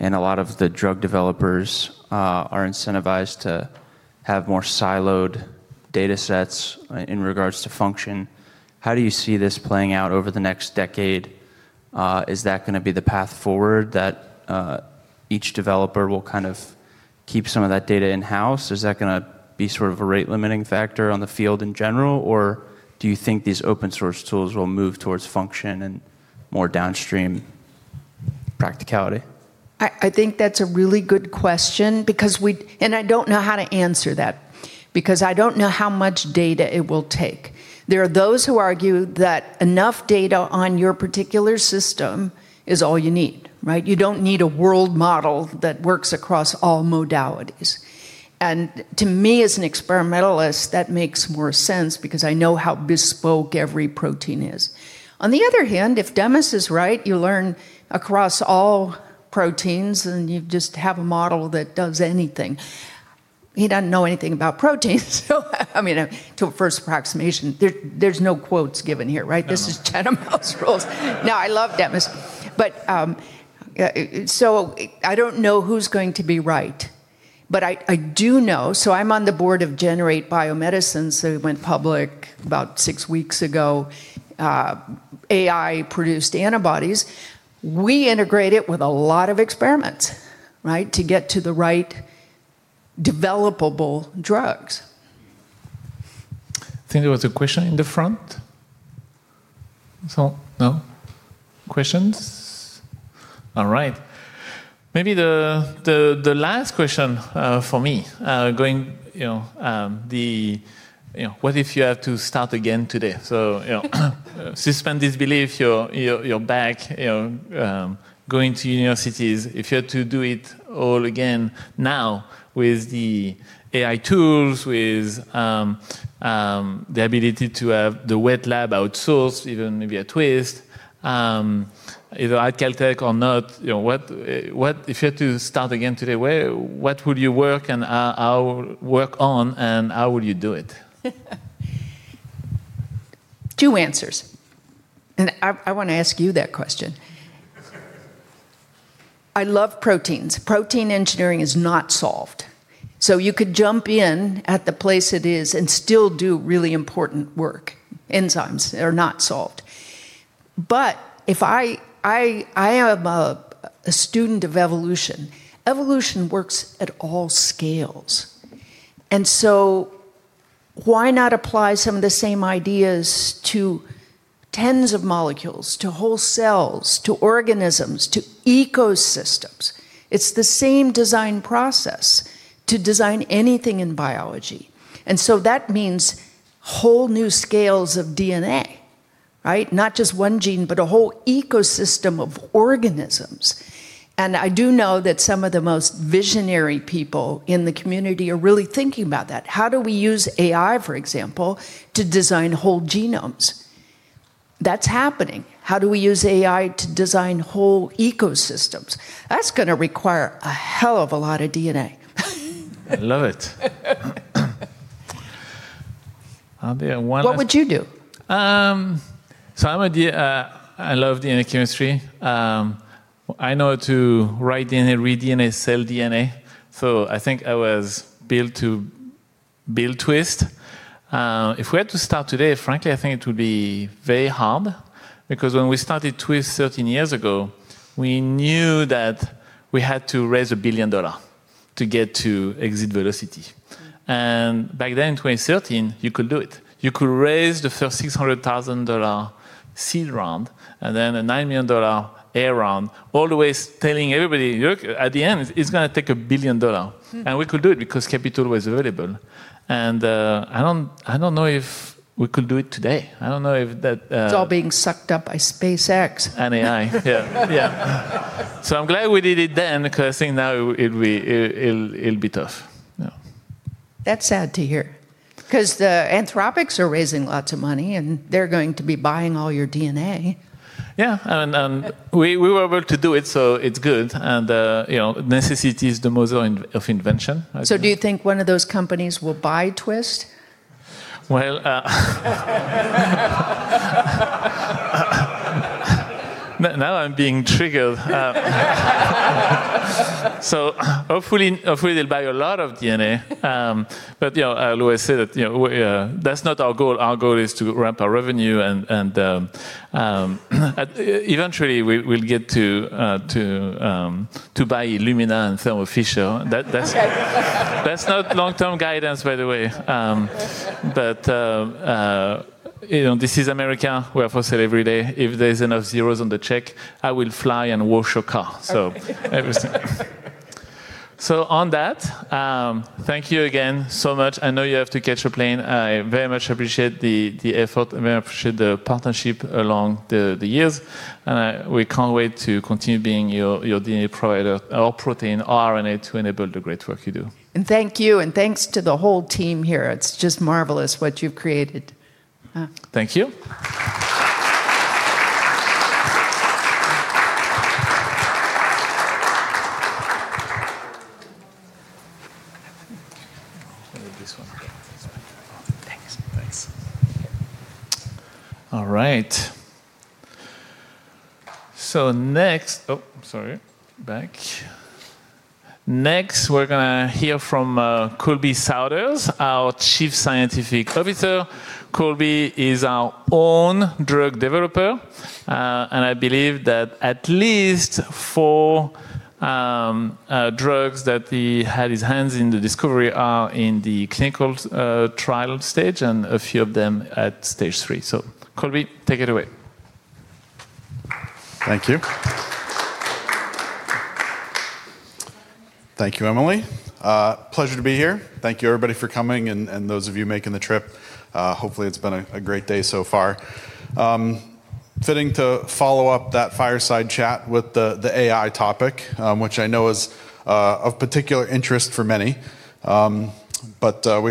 and a lot of the drug developers are incentivized to have more siloed data sets in regards to function, how do you see this playing out over the next decade? Is that going to be the path forward, that each developer will keep some of that data in-house? Is that going to be a rate limiting factor on the field in general, or do you think these open source tools will move towards function and more downstream practicality? I think that's a really good question. I don't know how to answer that because I don't know how much data it will take. There are those who argue that enough data on your particular system is all you need. You don't need a world model that works across all modalities. To me, as an experimentalist, that makes more sense because I know how bespoke every protein is. On the other hand, if Demis is right, you learn across all proteins, and you just have a model that does anything. He doesn't know anything about proteins, so to a first approximation. There's no quotes given here, right? No. This is Chatham House Rule. I love Demis. I don't know who's going to be right, but I do know. I'm on the board of Generate:Biomedicines, so it went public about six weeks ago, AI-produced antibodies. We integrate it with a lot of experiments to get to the right developable drugs. I think there was a question in the front. No? Questions? All right. Maybe the last question for me. What if you have to start again today? Suspend disbelief, you're back, going to universities. If you had to do it all again now with the AI tools, with the ability to have the wet lab outsourced, even maybe at Twist, either at Caltech or not, if you had to start again today, where? What would you work and work on, and how would you do it? Two answers. I want to ask you that question. I love proteins. Protein engineering is not solved. You could jump in at the place it is and still do really important work. Enzymes are not solved. I am a student of evolution. Evolution works at all scales. Why not apply some of the same ideas to tens of molecules, to whole cells, to organisms, to ecosystems? It's the same design process to design anything in biology. That means whole new scales of DNA, right? Not just one gene, but a whole ecosystem of organisms. I do know that some of the most visionary people in the community are really thinking about that. How do we use AI, for example, to design whole genomes? That's happening. How do we use AI to design whole ecosystems? That's going to require a hell of a lot of DNA. I love it. I'll be. What would you do? I love DNA chemistry. I know to write DNA, read DNA, sell DNA. I think I was built to build Twist. If we had to start today, frankly, I think it would be very hard because when we started Twist 13 years ago, we knew that we had to raise $1 billion to get to exit velocity. Back then, 2013, you could do it. You could raise the first $600,000 seed round and then a $9 million A round, always telling everybody, "Look, at the end, it's going to take $1 billion." We could do it because capital was available. I don't know if we could do it today. It's all being sucked up by SpaceX. AI. Yeah. I'm glad we did it then because I think now it'll be tough. Yeah. That's sad to hear, because the Anthropic are raising lots of money, and they're going to be buying all your DNA. Yeah. We were able to do it, so it's good. Necessity is the mother of invention, I think. Do you think one of those companies will buy Twist? Now I'm being triggered. Hopefully they'll buy a lot of DNA. I'll always say that that's not our goal. Our goal is to ramp our revenue, and eventually, we'll get to buy Illumina and Thermo Fisher. Okay. That's not long-term guidance, by the way. This is America, where for sale every day, if there's enough zeros on the check, I will fly and wash a car. Okay. On that, thank you again so much. I know you have to catch a plane. I very much appreciate the effort. I very much appreciate the partnership along the years, and we can't wait to continue being your DNA provider or protein or RNA to enable the great work you do. Thank you, and thanks to the whole team here. It's just marvelous what you've created. Thank you. This one. Thanks. Thanks. All right. Oh, sorry. Back. Next, we're going to hear from Colby Souders, our Chief Scientific Officer. Colby is our own drug developer. I believe that at least four drugs that he had his hands in the discovery are in the clinical trial stage, and a few of them at phase III. Colby, take it away. Thank you. Thank you, Emily. Pleasure to be here. Thank you, everybody, for coming and those of you making the trip. Hopefully, it's been a great day so far. Fitting to follow up that fireside chat with the AI topic, which I know is of particular interest for many. We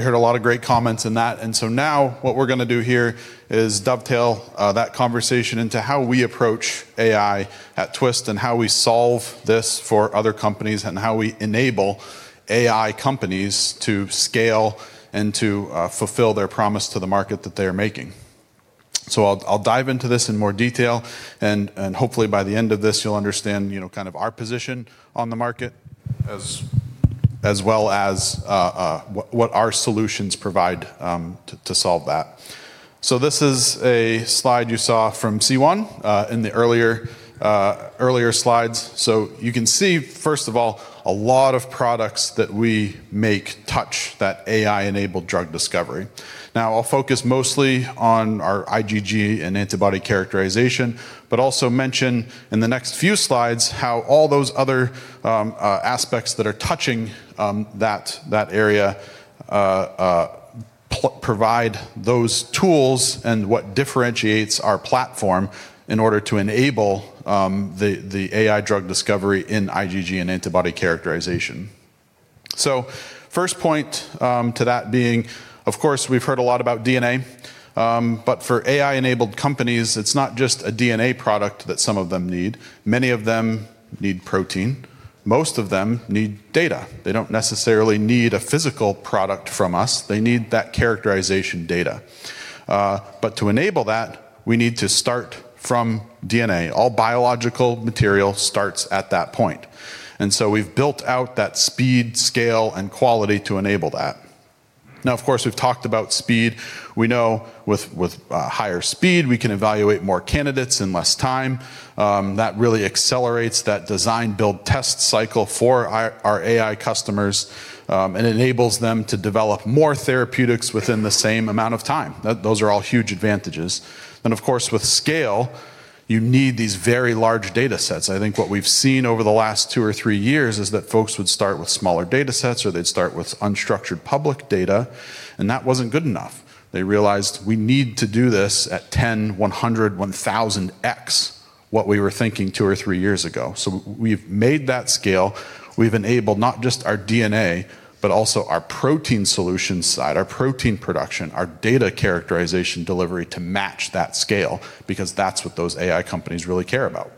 heard a lot of great comments in that. Now what we're going to do here is dovetail that conversation into how we approach AI at Twist and how we solve this for other companies, and how we enable AI companies to scale and to fulfill their promise to the market that they are making. I'll dive into this in more detail and hopefully by the end of this you'll understand our position on the market, as well as what our solutions provide to solve that. This is a slide you saw from Siyuan in the earlier slides. You can see, first of all, a lot of products that we make touch that AI-enabled drug discovery. I'll focus mostly on our IgG and antibody characterization, but also mention in the next few slides how all those other aspects that are touching that area provide those tools and what differentiates our platform in order to enable the AI drug discovery in IgG and antibody characterization. First point to that being, of course, we've heard a lot about DNA. For AI-enabled companies, it's not just a DNA product that some of them need. Many of them need protein. Most of them need data. They don't necessarily need a physical product from us. They need that characterization data. To enable that, we need to start from DNA. All biological material starts at that point. We've built out that speed, scale, and quality to enable that. Of course, we've talked about speed. We know with higher speed, we can evaluate more candidates in less time. That really accelerates that design, build, test cycle for our AI customers and enables them to develop more therapeutics within the same amount of time. Those are all huge advantages. Of course, with scale, you need these very large data sets. I think what we've seen over the last two or three years is that folks would start with smaller data sets or they'd start with unstructured public data, and that wasn't good enough. They realized we need to do this at 10x, 100x, 1,000x what we were thinking two or three years ago. We've made that scale. We've enabled not just our DNA, but also our protein solution side, our protein production, our data characterization delivery to match that scale because that's what those AI companies really care about.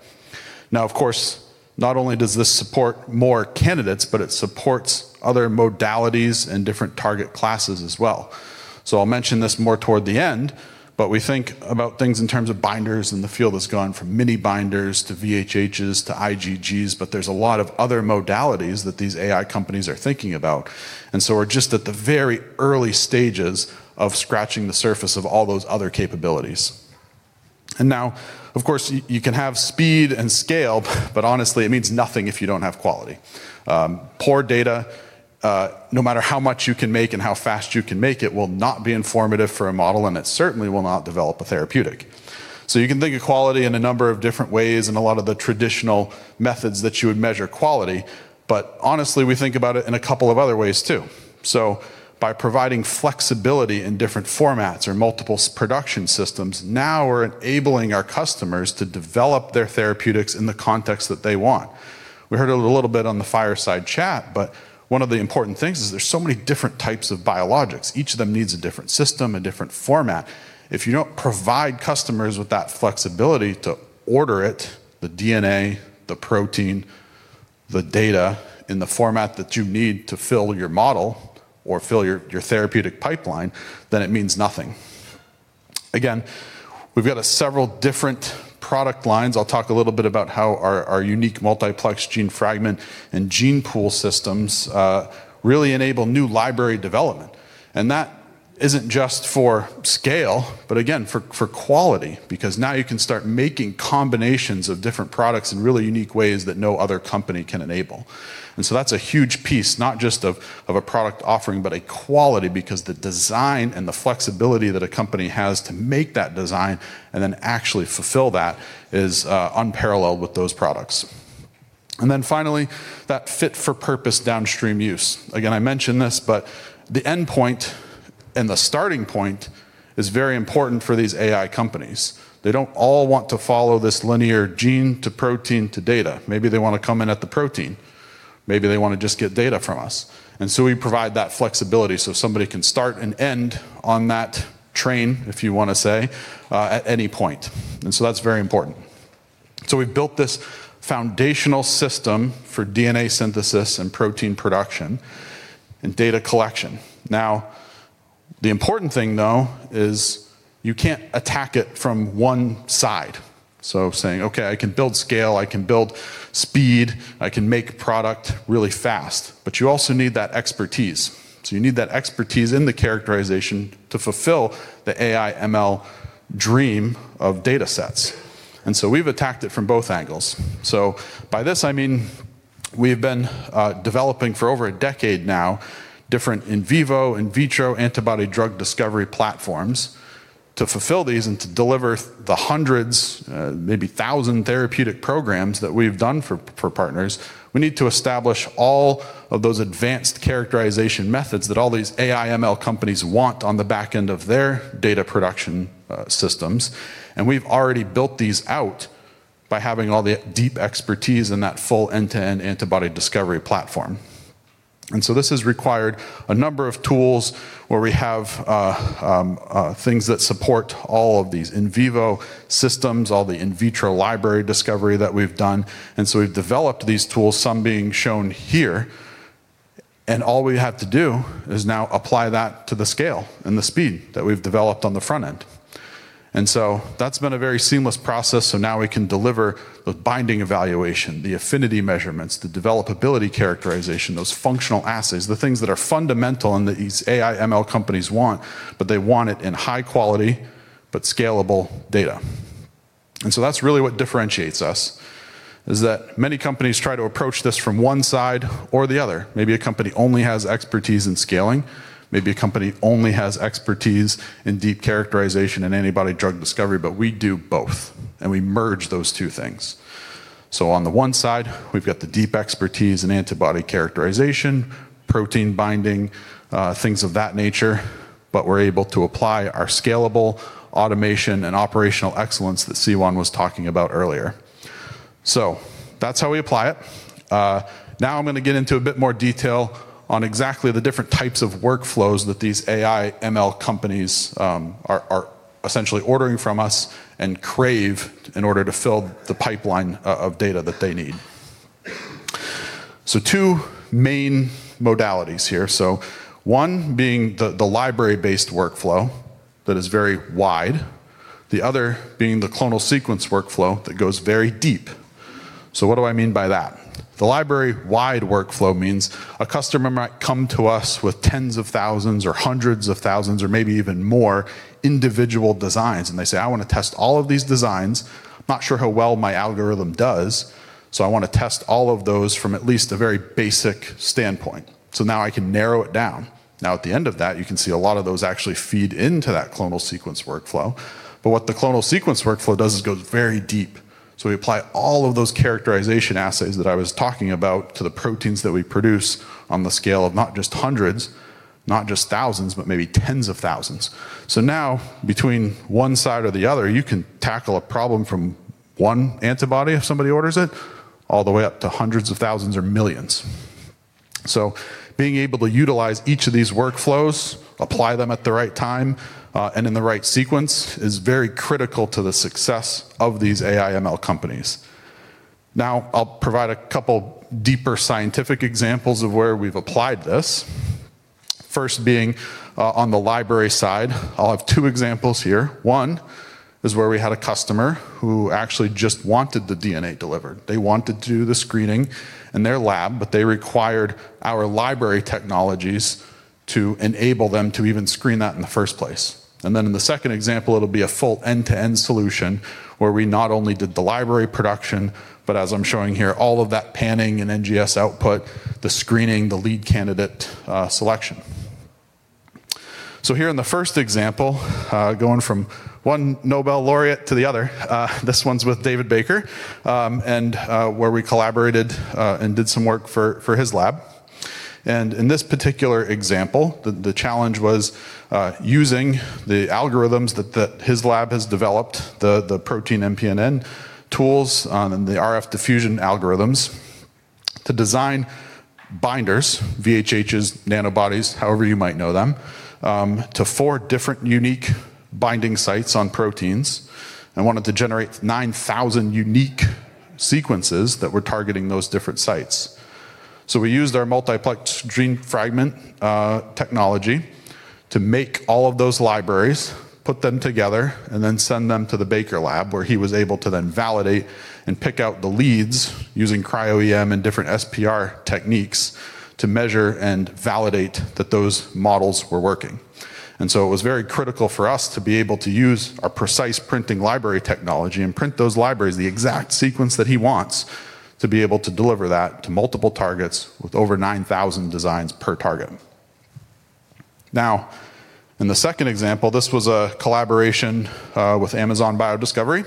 Of course, not only does this support more candidates, but it supports other modalities and different target classes as well. I'll mention this more toward the end, but we think about things in terms of binders and the field that's gone from mini-binders to VHHs to IgGs, but there's a lot of other modalities that these AI companies are thinking about. We're just at the very early stages of scratching the surface of all those other capabilities. Of course, you can have speed and scale, but honestly, it means nothing if you don't have quality. Poor data, no matter how much you can make and how fast you can make it, will not be informative for a model, and it certainly will not develop a therapeutic. You can think of quality in a number of different ways and a lot of the traditional methods that you would measure quality, but honestly, we think about it in a couple of other ways, too. By providing flexibility in different formats or multiple production systems, now we're enabling our customers to develop their therapeutics in the context that they want. We heard a little bit on the fireside chat, one of the important things is there's so many different types of biologics. Each of them needs a different system, a different format. If you don't provide customers with that flexibility to order it, the DNA, the protein, the data in the format that you need to fill your model or fill your therapeutic pipeline, then it means nothing. Again, we've got several different product lines. I'll talk a little bit about how our unique multiplex gene fragment and gene pool systems really enable new library development. That isn't just for scale, but again, for quality, because now you can start making combinations of different products in really unique ways that no other company can enable. That's a huge piece, not just of a product offering, but a quality because the design and the flexibility that a company has to make that design and then actually fulfill that is unparalleled with those products. Finally, that fit-for-purpose downstream use. Again, I mentioned this, but the endpoint and the starting point is very important for these AI companies. They don't all want to follow this linear gene to protein to data. Maybe they want to come in at the protein. Maybe they want to just get data from us, we provide that flexibility so somebody can start and end on that train, if you want to say, at any point. That's very important. We've built this foundational system for DNA synthesis and protein production and data collection. The important thing, though, is you can't attack it from one side. Saying, "Okay, I can build scale, I can build speed, I can make product really fast." You also need that expertise. You need that expertise in the characterization to fulfill the AI/ML dream of data sets. We've attacked it from both angles. By this, I mean we've been developing for over a decade now different in vivo and vitro antibody drug discovery platforms to fulfill these and to deliver the hundreds, maybe 1,000 therapeutic programs that we've done for partners. We need to establish all of those advanced characterization methods that all these AI/ML companies want on the back end of their data production systems. We've already built these out by having all the deep expertise in that full end-to-end antibody discovery platform. This has required a number of tools where we have things that support all of these in vivo systems, all the in vitro library discovery that we've done. We've developed these tools, some being shown here, and all we have to do is now apply that to the scale and the speed that we've developed on the front end. That's been a very seamless process. Now we can deliver the binding evaluation, the affinity measurements, the developability characterization, those functional assays, the things that are fundamental and that these AI/ML companies want, but they want it in high quality but scalable data. That's really what differentiates us is that many companies try to approach this from one side or the other. Maybe a company only has expertise in scaling. Maybe a company only has expertise in deep characterization and antibody drug discovery, but we do both, and we merge those two things. On the one side, we've got the deep expertise in antibody characterization, protein binding, things of that nature, but we're able to apply our scalable automation and operational excellence that Siyuan was talking about earlier. That's how we apply it. I'm going to get into a bit more detail on exactly the different types of workflows that these AI/ML companies are essentially ordering from us and crave in order to fill the pipeline of data that they need. Two main modalities here. One being the library-based workflow that is very wide, the other being the clonal sequence workflow that goes very deep. What do I mean by that? The library-wide workflow means a customer might come to us with tens of thousands or hundreds of thousands or maybe even more individual designs, and they say, "I want to test all of these designs. Not sure how well my algorithm does, I want to test all of those from at least a very basic standpoint. Now I can narrow it down. At the end of that, you can see a lot of those actually feed into that clonal sequence workflow. What the clonal sequence workflow does is goes very deep. We apply all of those characterization assays that I was talking about to the proteins that we produce on the scale of not just hundreds, not just thousands, but maybe tens of thousands. Now between one side or the other, you can tackle a problem from one antibody if somebody orders it, all the way up to hundreds of thousands or millions. Being able to utilize each of these workflows, apply them at the right time and in the right sequence, is very critical to the success of these AI/ML companies. I'll provide a couple deeper scientific examples of where we've applied this. First being on the library side. I'll have two examples here. One is where we had a customer who actually just wanted the DNA delivered. They wanted to do the screening in their lab, but they required our library technologies to enable them to even screen that in the first place. In the second example, it'll be a full end-to-end solution where we not only did the library production, but as I'm showing here, all of that panning and NGS output, the screening, the lead candidate selection. Here in the first example, going from one Nobel laureate to the other, this one's with David Baker, and where we collaborated and did some work for his lab. In this particular example, the challenge was using the algorithms that his lab has developed, the ProteinMPNN tools and the RFdiffusion algorithms, to design binders, VHH's, nanobodies, however you might know them, to four different unique binding sites on proteins, and wanted to generate 9,000 unique sequences that were targeting those different sites. We used our Multiplex Gene Fragment technology to make all of those libraries, put them together, and then send them to the Baker Lab where he was able to then validate and pick out the leads using cryo-EM and different SPR techniques to measure and validate that those models were working. It was very critical for us to be able to use our precise printing library technology and print those libraries the exact sequence that he wants to be able to deliver that to multiple targets with over 9,000 designs per target. Now, in the second example, this was a collaboration with Amazon Bio Discovery,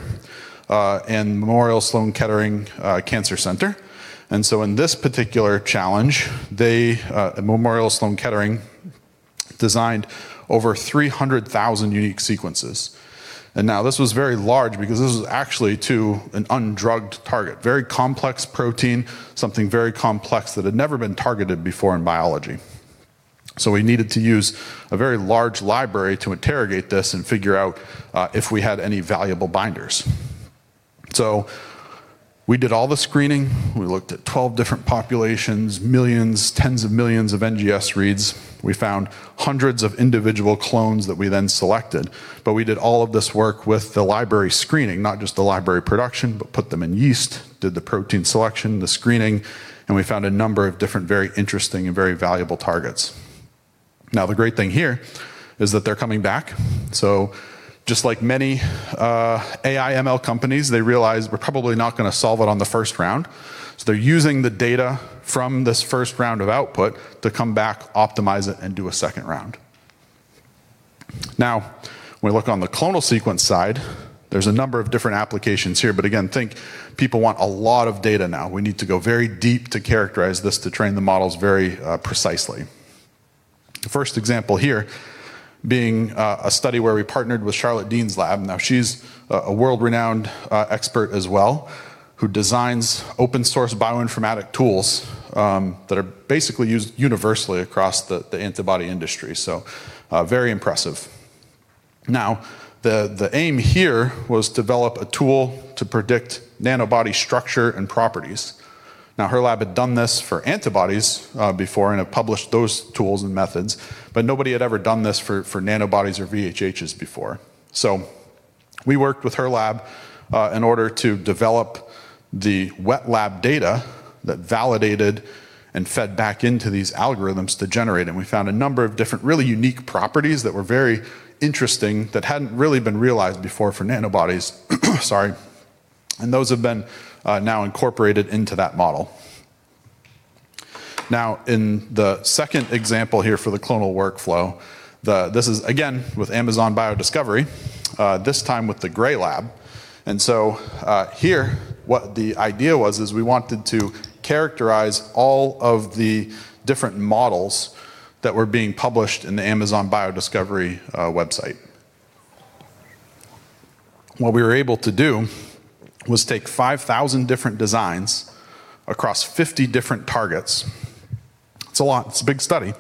and Memorial Sloan Kettering Cancer Center. In this particular challenge, Memorial Sloan Kettering designed over 300,000 unique sequences. This was very large because this was actually to an undrugged target. Very complex protein, something very complex that had never been targeted before in biology. We needed to use a very large library to interrogate this and figure out if we had any valuable binders. We did all the screening. We looked at 12 different populations, millions, tens of millions of NGS reads. We found hundreds of individual clones that we then selected. We did all of this work with the library screening, not just the library production, but put them in yeast, did the protein selection, the screening, and we found a number of different, very interesting and very valuable targets. The great thing here is that they're coming back. Just like many AI/ML companies, they realize we're probably not going to solve it on the first round. They're using the data from this first round of output to come back, optimize it, and do a second round. When we look on the clonal sequence side, there's a number of different applications here. Again, think people want a lot of data now. We need to go very deep to characterize this to train the models very precisely. The first example here being a study where we partnered with Charlotte Deane's lab. She's a world-renowned expert as well, who designs open-source bioinformatic tools that are basically used universally across the antibody industry. Very impressive. The aim here was develop a tool to predict nanobody structure and properties. Her lab had done this for antibodies before and had published those tools and methods, nobody had ever done this for nanobodies or VHHs before. We worked with her lab in order to develop the wet lab data that validated and fed back into these algorithms to generate, we found a number of different, really unique properties that were very interesting that hadn't really been realized before for nanobodies. Sorry. Those have been now incorporated into that model. In the second example here for the clonal workflow, this is again with Amazon Bio Discovery, this time with the Gray Lab. Here, what the idea was is we wanted to characterize all of the different models that were being published in the Amazon Bio Discovery website. What we were able to do was take 5,000 different designs across 50 different targets. It's a lot. It's a big study.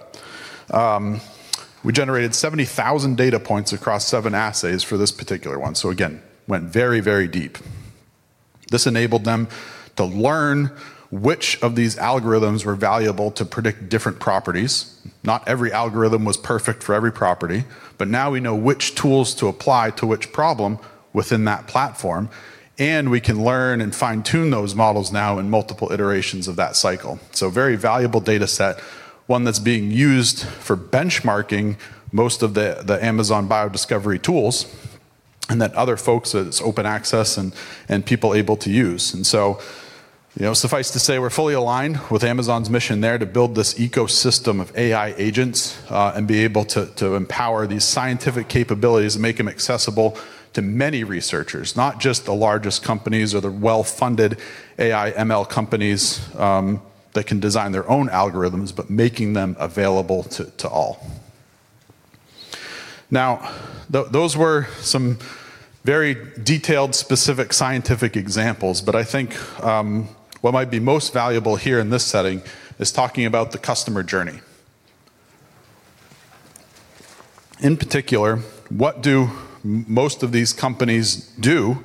We generated 70,000 data points across seven assays for this particular one. Again, went very, very deep. This enabled them to learn which of these algorithms were valuable to predict different properties. Not every algorithm was perfect for every property, but now we know which tools to apply to which problem within that platform, and we can learn and fine-tune those models now in multiple iterations of that cycle. A very valuable data set, one that's being used for benchmarking most of the Amazon Bio Discovery tools, and that other folks that it's open access and people able to use. Suffice to say, we're fully aligned with Amazon's mission there to build this ecosystem of AI agents and be able to empower these scientific capabilities and make them accessible to many researchers, not just the largest companies or the well-funded AI/ML companies that can design their own algorithms, but making them available to all. Those were some very detailed, specific scientific examples, but I think what might be most valuable here in this setting is talking about the customer journey. In particular, what do most of these companies do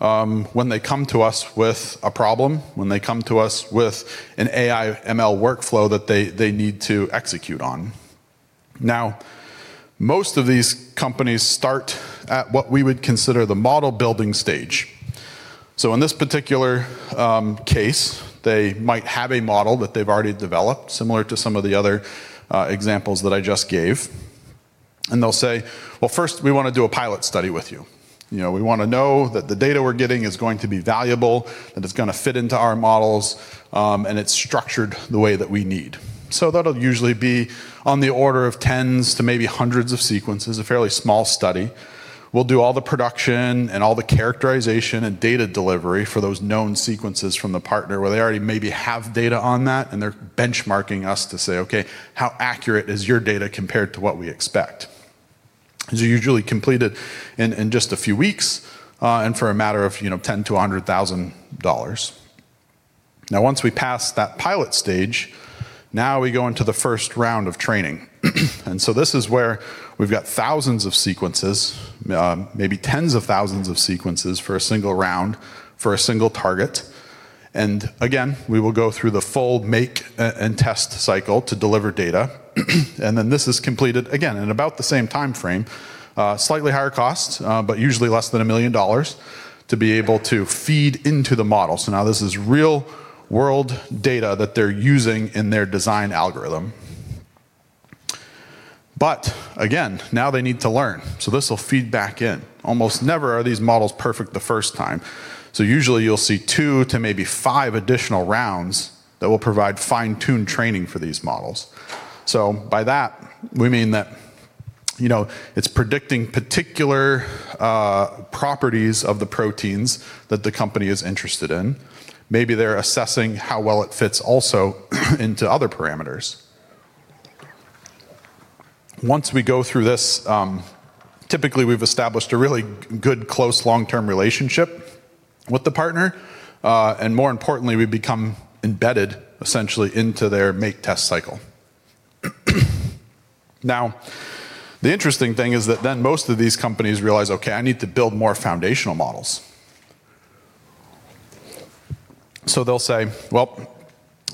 when they come to us with a problem, when they come to us with an AI/ML workflow that they need to execute on? Most of these companies start at what we would consider the model building stage. In this particular case, they might have a model that they've already developed similar to some of the other examples that I just gave, and they'll say, "Well, first, we want to do a pilot study with you. We want to know that the data we're getting is going to be valuable, that it's going to fit into our models, and it's structured the way that we need." That'll usually be on the order of tens to maybe hundreds of sequences, a fairly small study. We'll do all the production and all the characterization and data delivery for those known sequences from the partner where they already maybe have data on that, and they're benchmarking us to say, "Okay, how accurate is your data compared to what we expect?" These are usually completed in just a few weeks, for a matter of $10,000-$100,000. Once we pass that pilot stage, we go into the first round of training. This is where we've got thousands of sequences, maybe tens of thousands of sequences for a single round, for a single target. Again, we will go through the full make and test cycle to deliver data. This is completed again in about the same timeframe. Slightly higher cost, usually less than $1 million to be able to feed into the model. Now this is real-world data that they're using in their design algorithm. Again, now they need to learn. This will feed back in. Almost never are these models perfect the first time. Usually you'll see two to maybe five additional rounds that will provide fine-tuned training for these models. By that, we mean that it's predicting particular properties of the proteins that the company is interested in. Maybe they're assessing how well it fits also into other parameters. Once we go through this, typically we've established a really good, close long-term relationship with the partner. More importantly, we become embedded essentially into their make-test cycle. The interesting thing is that then most of these companies realize, "Okay, I need to build more foundational models." They'll say, "Well,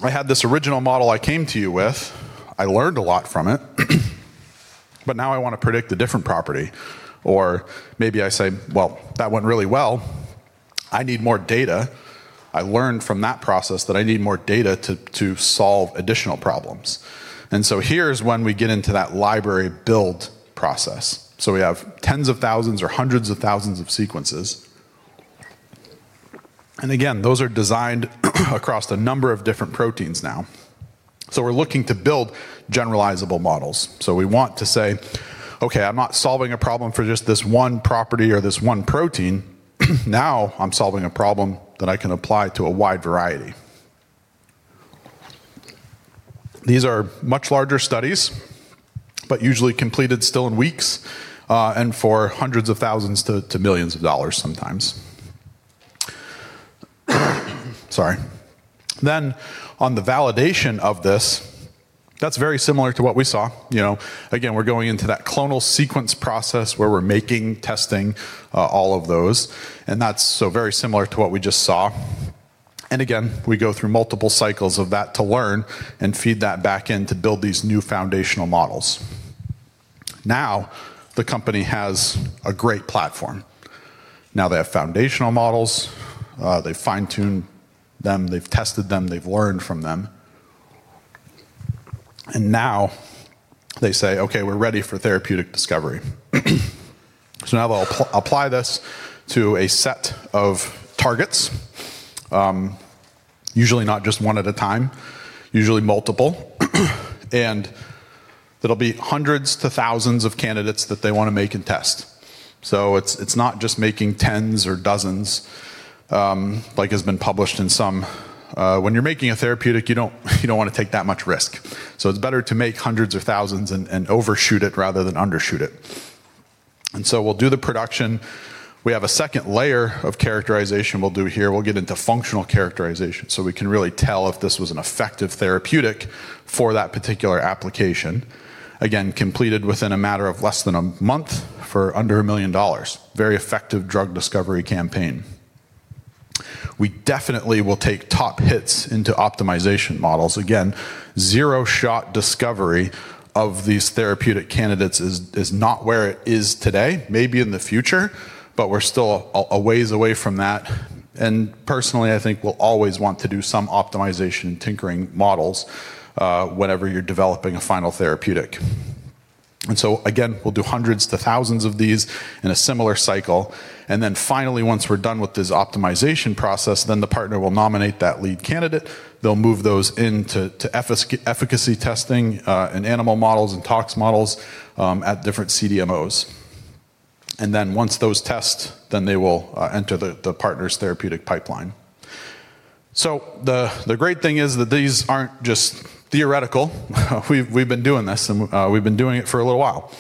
I had this original model I came to you with. I learned a lot from it, but now I want to predict a different property." Maybe I say, "Well, that went really well. I need more data. I learned from that process that I need more data to solve additional problems." Here is when we get into that library build process. We have tens of thousands or hundreds of thousands of sequences. Again, those are designed across a number of different proteins now. We're looking to build generalizable models. We want to say, "Okay, I'm not solving a problem for just this one property or this one protein, now I'm solving a problem that I can apply to a wide variety." These are much larger studies, but usually completed still in weeks, and for $100,000-$1 million sometimes. Sorry. On the validation of this, that's very similar to what we saw. Again, we're going into that clonal sequence process where we're making, testing, all of those, and that's so very similar to what we just saw. Again, we go through multiple cycles of that to learn and feed that back in to build these new foundational models. The company has a great platform. They have foundational models. They've fine-tuned them, they've tested them, they've learned from them. Now they say, "Okay, we're ready for therapeutic discovery." Now they'll apply this to a set of targets. Usually not just 1 at a time, usually multiple. It'll be hundreds to thousands of candidates that they want to make and test. It's not just making tens or dozens. When you're making a therapeutic, you don't want to take that much risk. It's better to make hundreds of thousands and overshoot it rather than undershoot it. We'll do the production. We have a second layer of characterization we'll do here. We'll get into functional characterization, so we can really tell if this was an effective therapeutic for that particular application. Again, completed within a matter of less than a month for under $1 million. Very effective drug discovery campaign. We definitely will take top hits into optimization models. Again, zero-shot discovery of these therapeutic candidates is not where it is today. Maybe in the future, but we're still a ways away from that. Personally, I think we'll always want to do some optimization tinkering models whenever you're developing a final therapeutic. Again, we'll do hundreds to thousands of these in a similar cycle. Finally, once we're done with this optimization process, then the partner will nominate that lead candidate. They'll move those into efficacy testing, in animal models and tox models, at different CDMOs. Once those test, then they will enter the partner's therapeutic pipeline. The great thing is that these aren't just theoretical. We've been doing this and we've been doing it for a little while.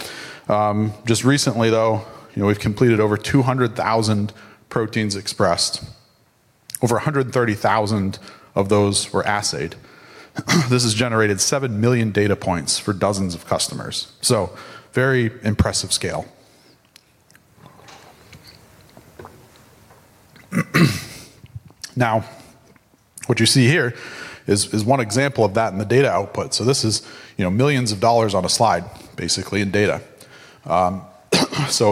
Just recently, though, we've completed over 200,000 proteins expressed. Over 130,000 of those were assayed. This has generated 7 million data points for dozens of customers. Very impressive scale. What you see here is one example of that in the data output. This is millions of dollars on a slide, basically, in data. A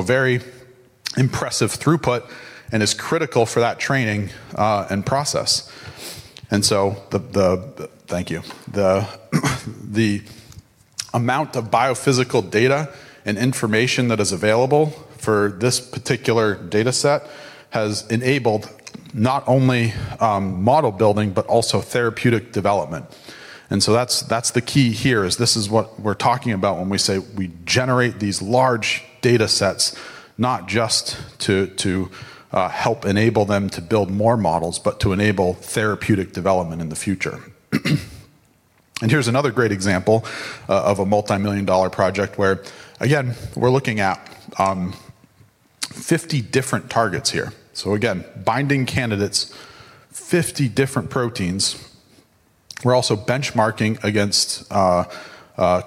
very impressive throughput and is critical for that training and process. Thank you. The amount of biophysical data and information that is available for this particular data set has enabled not only model building but also therapeutic development. That's the key here, is this is what we're talking about when we say we generate these large data sets not just to help enable them to build more models, but to enable therapeutic development in the future. Here's another great example of a multimillion-dollar project where, again, we're looking at 50 different targets here. Again, binding candidates, 50 different proteins. We're also benchmarking against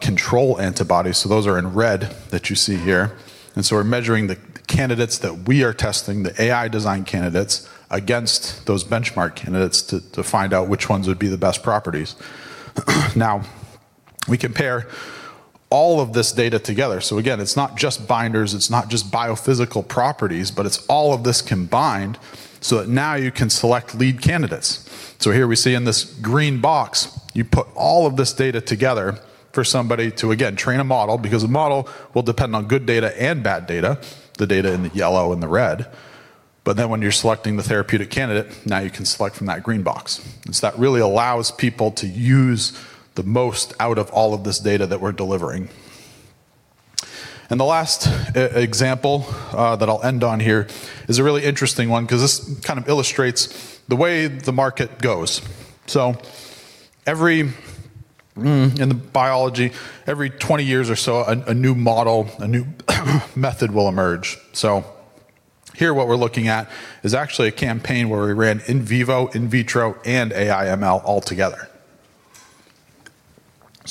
control antibodies, so those are in red that you see here. We're measuring the candidates that we are testing, the AI design candidates, against those benchmark candidates to find out which ones would be the best properties. Now, we compare all of this data together. Again, it's not just binders, it's not just biophysical properties, but it's all of this combined so that now you can select lead candidates. Here we see in this green box, you put all of this data together for somebody to, again, train a model, because a model will depend on good data and bad data, the data in the yellow and the red, but then when you're selecting the therapeutic candidate, now you can select from that green box. That really allows people to use the most out of all of this data that we're delivering. The last example that I'll end on here is a really interesting one because this kind of illustrates the way the market goes. In the biology, every 20 years or so, a new model, a new method will emerge. Here, what we're looking at is actually a campaign where we ran in vivo, in vitro, and AI/ML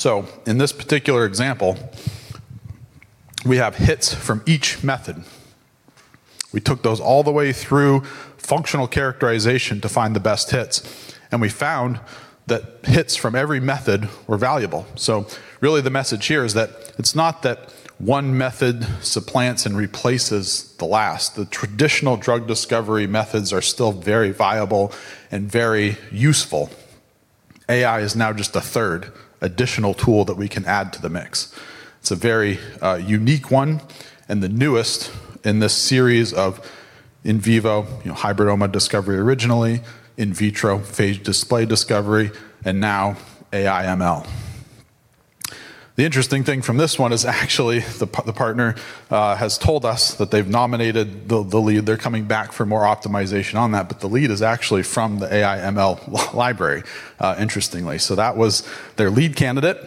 all together. In this particular example, we have hits from each method. We took those all the way through functional characterization to find the best hits, and we found that hits from every method were valuable. Really the message here is that it's not that one method supplants and replaces the last. The traditional drug discovery methods are still very viable and very useful. AI is now just a third additional tool that we can add to the mix. It's a very unique one and the newest in this series of in vivo hybridoma discovery originally, in vitro phage display discovery, and now AI/ML. The interesting thing from this one is actually the partner has told us that they've nominated the lead. They're coming back for more optimization on that, but the lead is actually from the AI/ML library, interestingly. That was their lead candidate,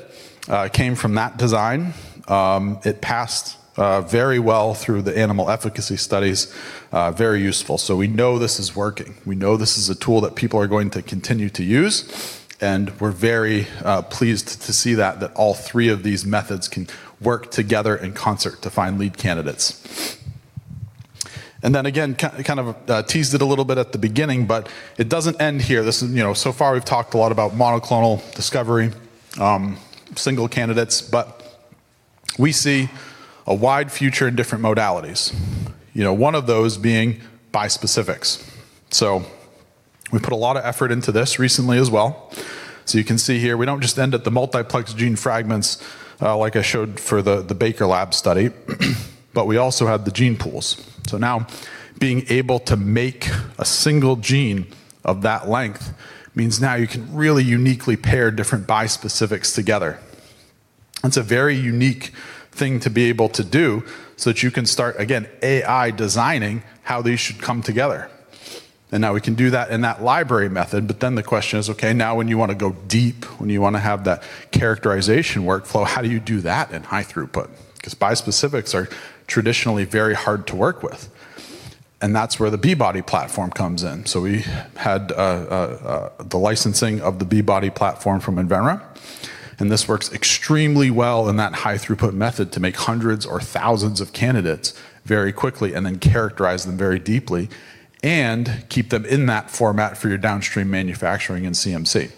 came from that design. It passed very well through the animal efficacy studies, very useful. We know this is working. We know this is a tool that people are going to continue to use, and we're very pleased to see that all three of these methods can work together in concert to find lead candidates. Again, kind of teased it a little bit at the beginning, but it doesn't end here. Far we've talked a lot about monoclonal discovery, single candidates, but we see a wide future in different modalities. One of those being bispecifics. We put a lot of effort into this recently as well. You can see here, we don't just end at the multiplex gene fragments, like I showed for the Baker Lab study, but we also have the gene pools. Now being able to make a single gene of that length means now you can really uniquely pair different bispecifics together. It's a very unique thing to be able to do so that you can start, again, AI designing how these should come together. Now we can do that in that library method, but then the question is, okay, now when you want to go deep, when you want to have that characterization workflow, how do you do that in high throughput? Because bispecifics are traditionally very hard to work with. That's where the B-Body platform comes in. We had the licensing of the B-Body platform from Invenra, and this works extremely well in that high throughput method to make hundreds or thousands of candidates very quickly and then characterize them very deeply and keep them in that format for your downstream manufacturing and CMC.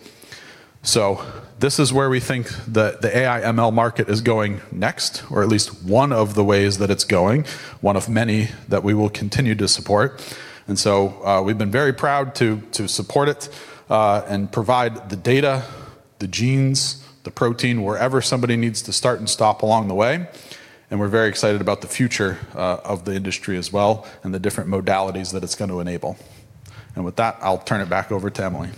This is where we think the AI/ML market is going next, or at least one of the ways that it's going, one of many that we will continue to support. We've been very proud to support it, and provide the data, the genes, the protein, wherever somebody needs to start and stop along the way, and we're very excited about the future of the industry as well and the different modalities that it's going to enable. With that, I'll turn it back over to Emily.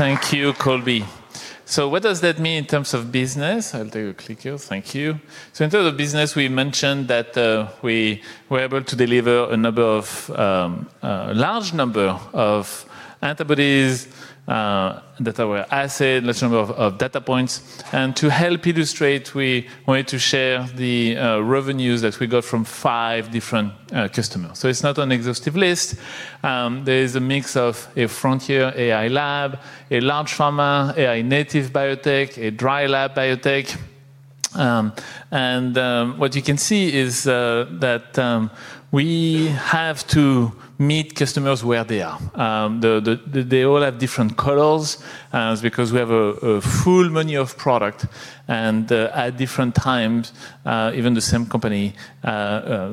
Thank you, Colby. What does that mean in terms of business? I'll do a click here. Thank you. In terms of business, we mentioned that we were able to deliver a large number of antibodies that were assayed, large number of data points. To help illustrate, we wanted to share the revenues that we got from five different customers. It's not an exhaustive list. There is a mix of a frontier AI lab, a large pharma, AI-native biotech, a dry lab biotech. What you can see is that we have to meet customers where they are. They all have different colors because we have a full menu of product, and at different times, even the same company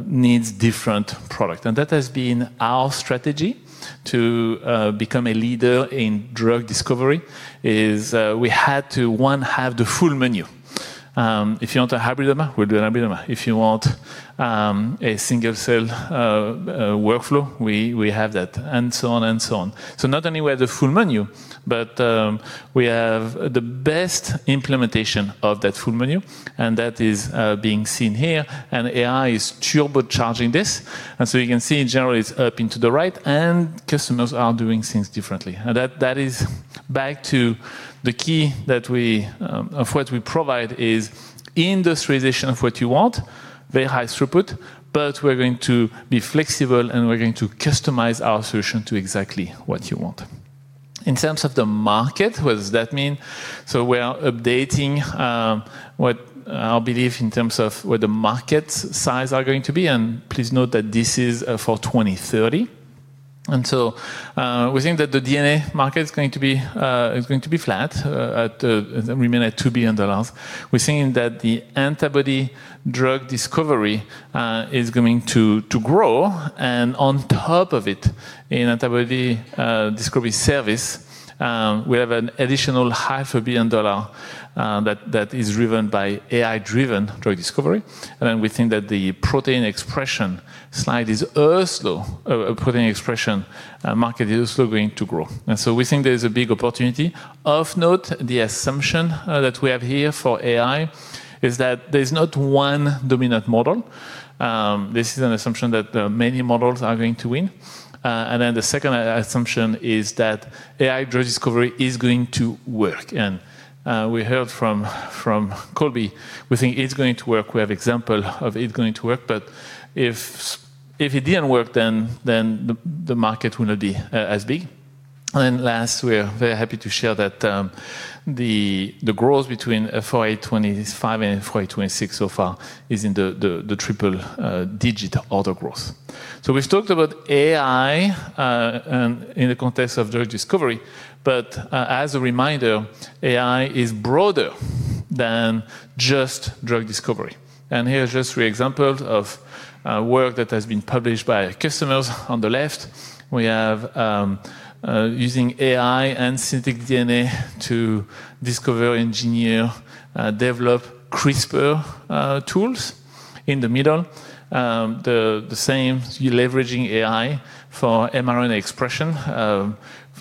needs different product. That has been our strategy to become a leader in drug discovery is we had to, one, have the full menu. If you want a hybridoma, we'll do a hybridoma. If you want a single-cell workflow, we have that, and so on and so on. Not only we have the full menu, but we have the best implementation of that full menu, and that is being seen here, and AI is turbocharging this. You can see in general it's up into the right, and customers are doing things differently. That is back to the key of what we provide is industrialization of what you want, very high throughput, but we're going to be flexible, and we're going to customize our solution to exactly what you want. In terms of the market, what does that mean? We are updating our belief in terms of what the market size are going to be, and please note that this is for 2030. We think that the DNA market is going to be flat at remain at $2 billion. We're seeing that the antibody drug discovery is going to grow, and on top of it, in antibody discovery service, we have an additional half a billion dollar that is driven by AI-driven drug discovery. We think that the protein expression market is also going to grow. We think there is a big opportunity. Of note, the assumption that we have here for AI is that there's not one dominant model. This is an assumption that many models are going to win. The second assumption is that AI drug discovery is going to work. We heard from Colby, we think it's going to work. We have example of it going to work. If it didn't work, then the market will not be as big. Last, we are very happy to share that the growth between FY 2025 and FY 2026 so far is in the triple-digit order growth. We've talked about AI in the context of drug discovery, but as a reminder, AI is broader than just drug discovery. Here are just three examples of work that has been published by customers. On the left, we have using AI and synthetic DNA to discover, engineer, develop CRISPR tools. In the middle, the same, you're leveraging AI for mRNA expression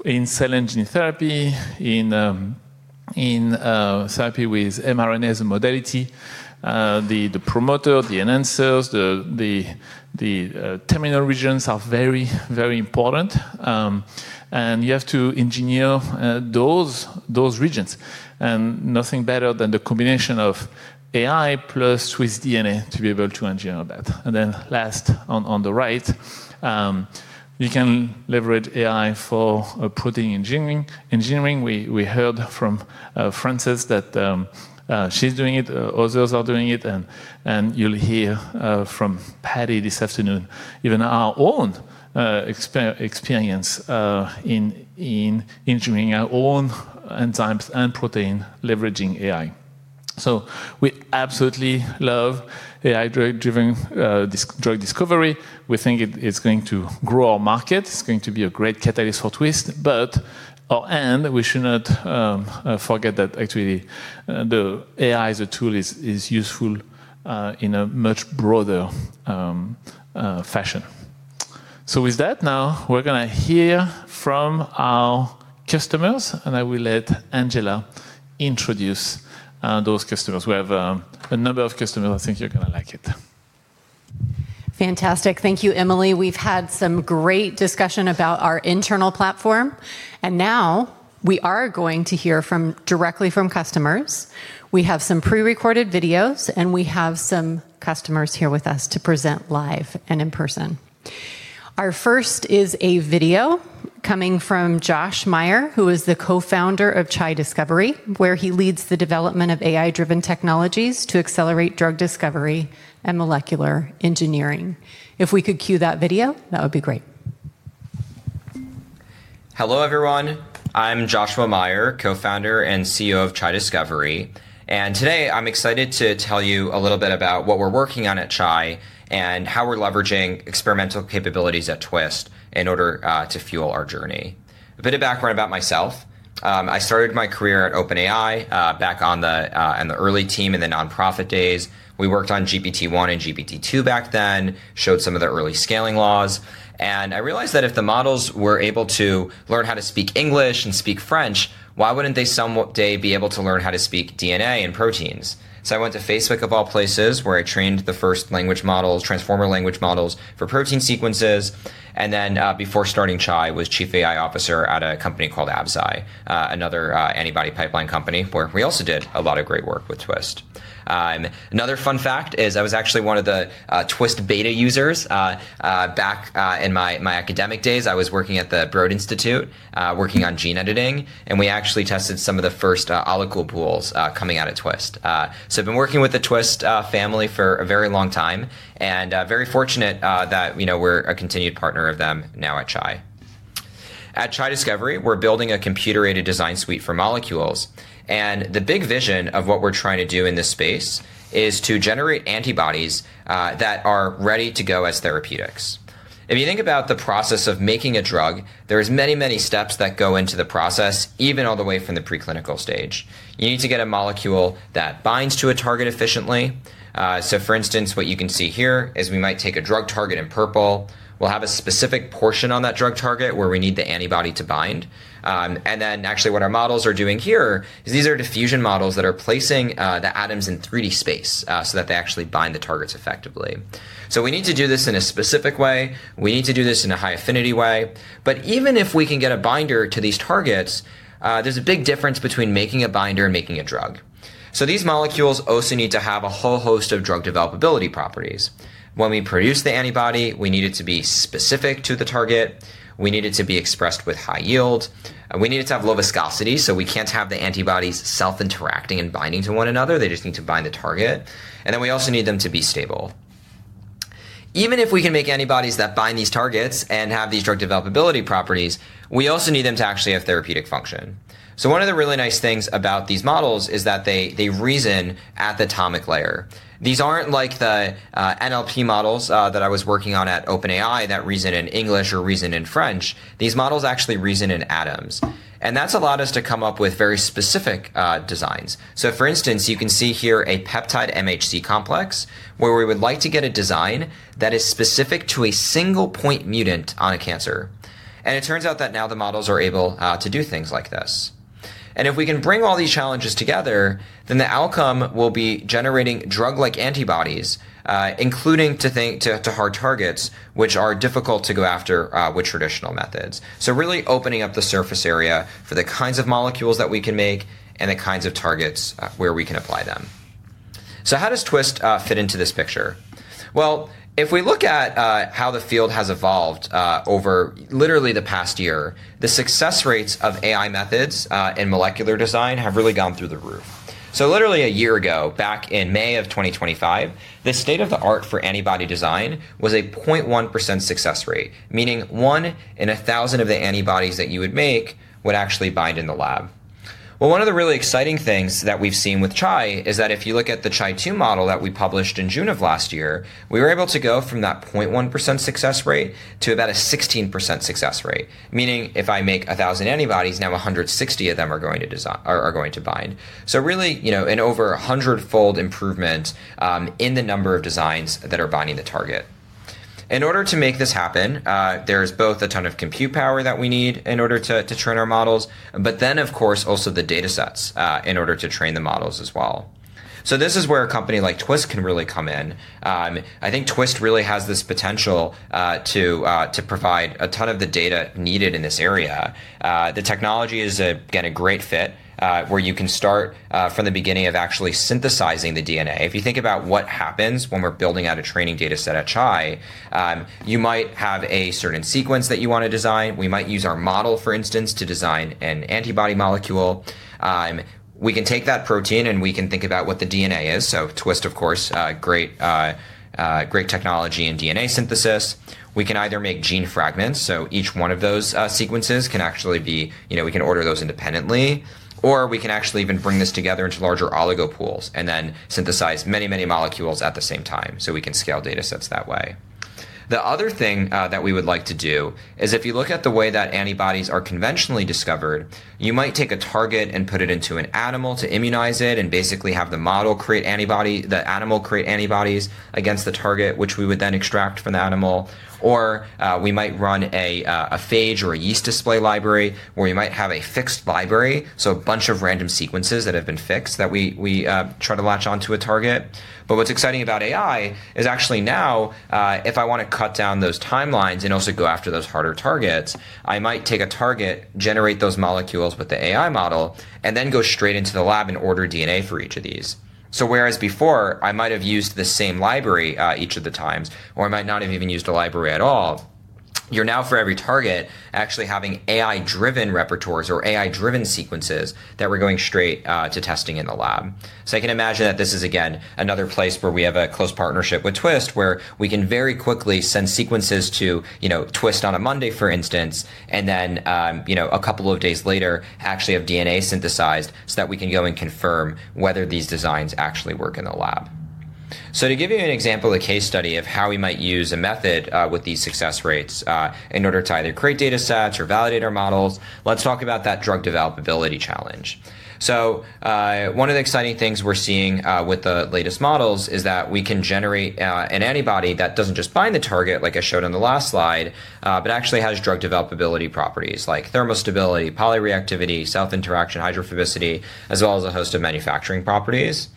in cell engineering therapy, in therapy with mRNAs modality. The promoter, the enhancers, the terminal regions are very important. You have to engineer those regions. Nothing better than the combination of AI plus Twist DNA to be able to engineer that. Last, on the right, we can leverage AI for protein engineering. We heard from Frances that she's doing it, others are doing it, and you'll hear from Paddy this afternoon, even our own experience in engineering our own enzymes and protein leveraging AI. We absolutely love AI-driven drug discovery. We think it's going to grow our market. It's going to be a great catalyst for Twist. We should not forget that actually the AI as a tool is useful in a much broader fashion. With that, now we're going to hear from our customers, and I will let Angela introduce those customers. We have a number of customers. I think you're going to like it. Fantastic. Thank you, Emily. We've had some great discussion about our internal platform, and now we are going to hear directly from customers. We have some pre-recorded videos, and we have some customers here with us to present live and in person. Our first is a video coming from Joshua Meier, who is the co-founder of Chai Discovery, where he leads the development of AI-driven technologies to accelerate drug discovery and molecular engineering. If we could cue that video, that would be great. Hello, everyone. I'm Joshua Meier, co-founder and CEO of Chai Discovery. Today, I'm excited to tell you a little bit about what we're working on at Chai and how we're leveraging experimental capabilities at Twist in order to fuel our journey. A bit of background about myself. I started my career at OpenAI back on the early team in the nonprofit days. We worked on GPT-1 and GPT-2 back then, showed some of the early scaling laws, and I realized that if the models were able to learn how to speak English and speak French, why wouldn't they someday be able to learn how to speak DNA and proteins? I went to Facebook, of all places, where I trained the first language models, transformer language models for protein sequences, and then, before starting Chai, was Chief AI Officer at a company called Absci, another antibody pipeline company, where we also did a lot of great work with Twist. Another fun fact is I was actually one of the Twist beta users back in my academic days. I was working at the Broad Institute working on gene editing, and we actually tested some of the first oligo pools coming out of Twist. I've been working with the Twist family for a very long time and very fortunate that we're a continued partner of them now at Chai. At Chai Discovery, we're building a computer-aided design suite for molecules. The big vision of what we're trying to do in this space is to generate antibodies that are ready to go as therapeutics. If you think about the process of making a drug, there's many steps that go into the process, even all the way from the pre-clinical stage. You need to get a molecule that binds to a target efficiently. For instance, what you can see here is we might take a drug target in purple. We'll have a specific portion on that drug target where we need the antibody to bind. Then actually what our models are doing here is these are diffusion models that are placing the atoms in 3D space, so that they actually bind the targets effectively. We need to do this in a specific way. We need to do this in a high-affinity way. Even if we can get a binder to these targets, there's a big difference between making a binder and making a drug. These molecules also need to have a whole host of drug developability properties. When we produce the antibody, we need it to be specific to the target. We need it to be expressed with high yield. We need it to have low viscosity, so we can't have the antibodies self-interacting and binding to one another. They just need to bind the target. Then we also need them to be stable. Even if we can make antibodies that bind these targets and have these drug developability properties, we also need them to actually have therapeutic function. One of the really nice things about these models is that they reason at the atomic layer. These aren't like the NLP models that I was working on at OpenAI that reason in English or reason in French. These models actually reason in atoms. That's allowed us to come up with very specific designs. For instance, you can see here a peptide MHC complex where we would like to get a design that is specific to a single point mutant on a cancer. It turns out that now the models are able to do things like this. If we can bring all these challenges together, the outcome will be generating drug-like antibodies, including to hard targets which are difficult to go after with traditional methods. Really opening up the surface area for the kinds of molecules that we can make and the kinds of targets where we can apply them. How does Twist fit into this picture? If we look at how the field has evolved over literally the past year, the success rates of AI methods in molecular design have really gone through the roof. Literally a year ago, back in May of 2025, the state of the art for antibody design was a 0.1% success rate, meaning one in 1,000 of the antibodies that you would make would actually bind in the lab. One of the really exciting things that we've seen with Chai is that if you look at the Chai-2 model that we published in June of last year, we were able to go from that 0.1% success rate to about a 16% success rate. Meaning if I make 1,000 antibodies, now 160 of them are going to bind. Really, an over 100-fold improvement in the number of designs that are binding the target. In order to make this happen, there's both a ton of compute power that we need in order to train our models, but then, of course, also the data sets in order to train the models as well. This is where a company like Twist can really come in. I think Twist really has this potential to provide a ton of the data needed in this area. The technology is, again, a great fit, where you can start from the beginning of actually synthesizing the DNA. If you think about what happens when we're building out a training data set at Chai, you might have a certain sequence that you want to design. We might use our model, for instance, to design an antibody molecule. We can take that protein and we can think about what the DNA is. Twist, of course, great technology in DNA synthesis. We can either make gene fragments, so each one of those sequences we can order those independently, or we can actually even bring this together into larger oligo pools and then synthesize many molecules at the same time, so we can scale data sets that way. The other thing that we would like to do is if you look at the way that antibodies are conventionally discovered, you might take a target and put it into an animal to immunize it and basically have the animal create antibodies against the target, which we would then extract from the animal, or we might run a phage or a yeast display library, where you might have a fixed library, so a bunch of random sequences that have been fixed that we try to latch onto a target. What's exciting about AI is actually now, if I want to cut down those timelines and also go after those harder targets, I might take a target, generate those molecules with the AI model, and then go straight into the lab and order DNA for each of these. Whereas before I might have used the same library each of the times, or I might not have even used a library at all, you're now for every target, actually having AI-driven repertoires or AI-driven sequences that we're going straight to testing in the lab. I can imagine that this is again, another place where we have a close partnership with Twist, where we can very quickly send sequences to Twist on a Monday, for instance, and then a couple of days later, actually have DNA synthesized so that we can go and confirm whether these designs actually work in the lab. To give you an example, a case study of how we might use a method with these success rates in order to either create data sets or validate our models, let's talk about that drug developability challenge. One of the exciting things we're seeing with the latest models is that we can generate an antibody that doesn't just bind the target, like I showed on the last slide, but actually has drug developability properties like thermostability, polyreactivity, self-interaction, hydrophobicity, as well as a host of manufacturing properties.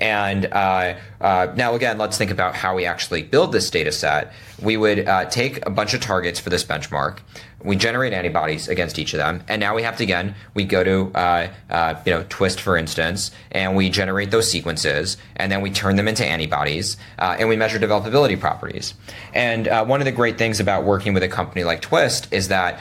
Now again, let's think about how we actually build this data set. We would take a bunch of targets for this benchmark. We generate antibodies against each of them. Now we have to again, we go to Twist, for instance, and we generate those sequences, and then we turn them into antibodies, and we measure developability properties. One of the great things about working with a company like Twist is that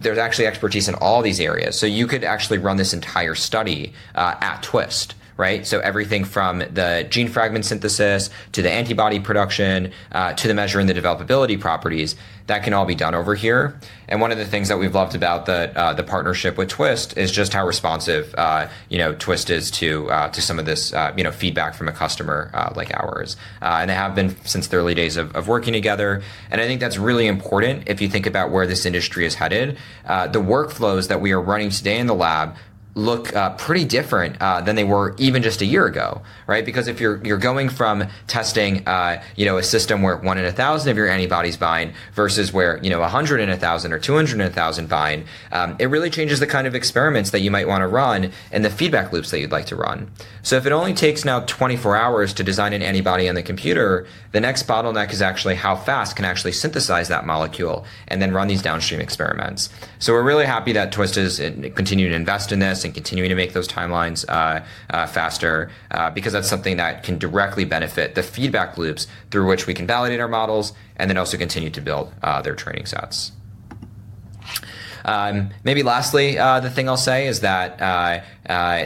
there's actually expertise in all these areas. You could actually run this entire study at Twist, right? Everything from the gene fragment synthesis to the antibody production to the measuring the developability properties, that can all be done over here. One of the things that we've loved about the partnership with Twist is just how responsive Twist is to some of this feedback from a customer like ours. They have been since the early days of working together, and I think that's really important if you think about where this industry is headed. The workflows that we are running today in the lab look pretty different than they were even just a year ago, right? Because if you're going from testing a system where one in 1,000 of your antibodies bind versus where 100 in 1,000 or 200 in 1,000 bind, it really changes the kind of experiments that you might want to run and the feedback loops that you'd like to run. If it only takes now 24 hours to design an antibody on the computer, the next bottleneck is actually how fast can actually synthesize that molecule and then run these downstream experiments. We're really happy that Twist is continuing to invest in this and continuing to make those timelines faster, because that's something that can directly benefit the feedback loops through which we can validate our models and then also continue to build their training sets. Maybe lastly, the thing I'll say is that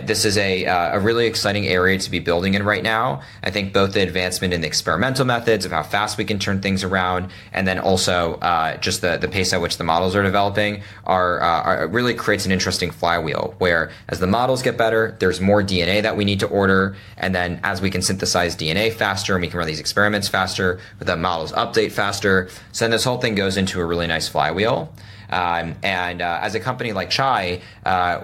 this is a really exciting area to be building in right now. I think both the advancement in the experimental methods of how fast we can turn things around, and then also just the pace at which the models are developing really creates an interesting flywheel where as the models get better, there's more DNA that we need to order, and then as we can synthesize DNA faster and we can run these experiments faster, the models update faster. This whole thing goes into a really nice flywheel. As a company like Chai, I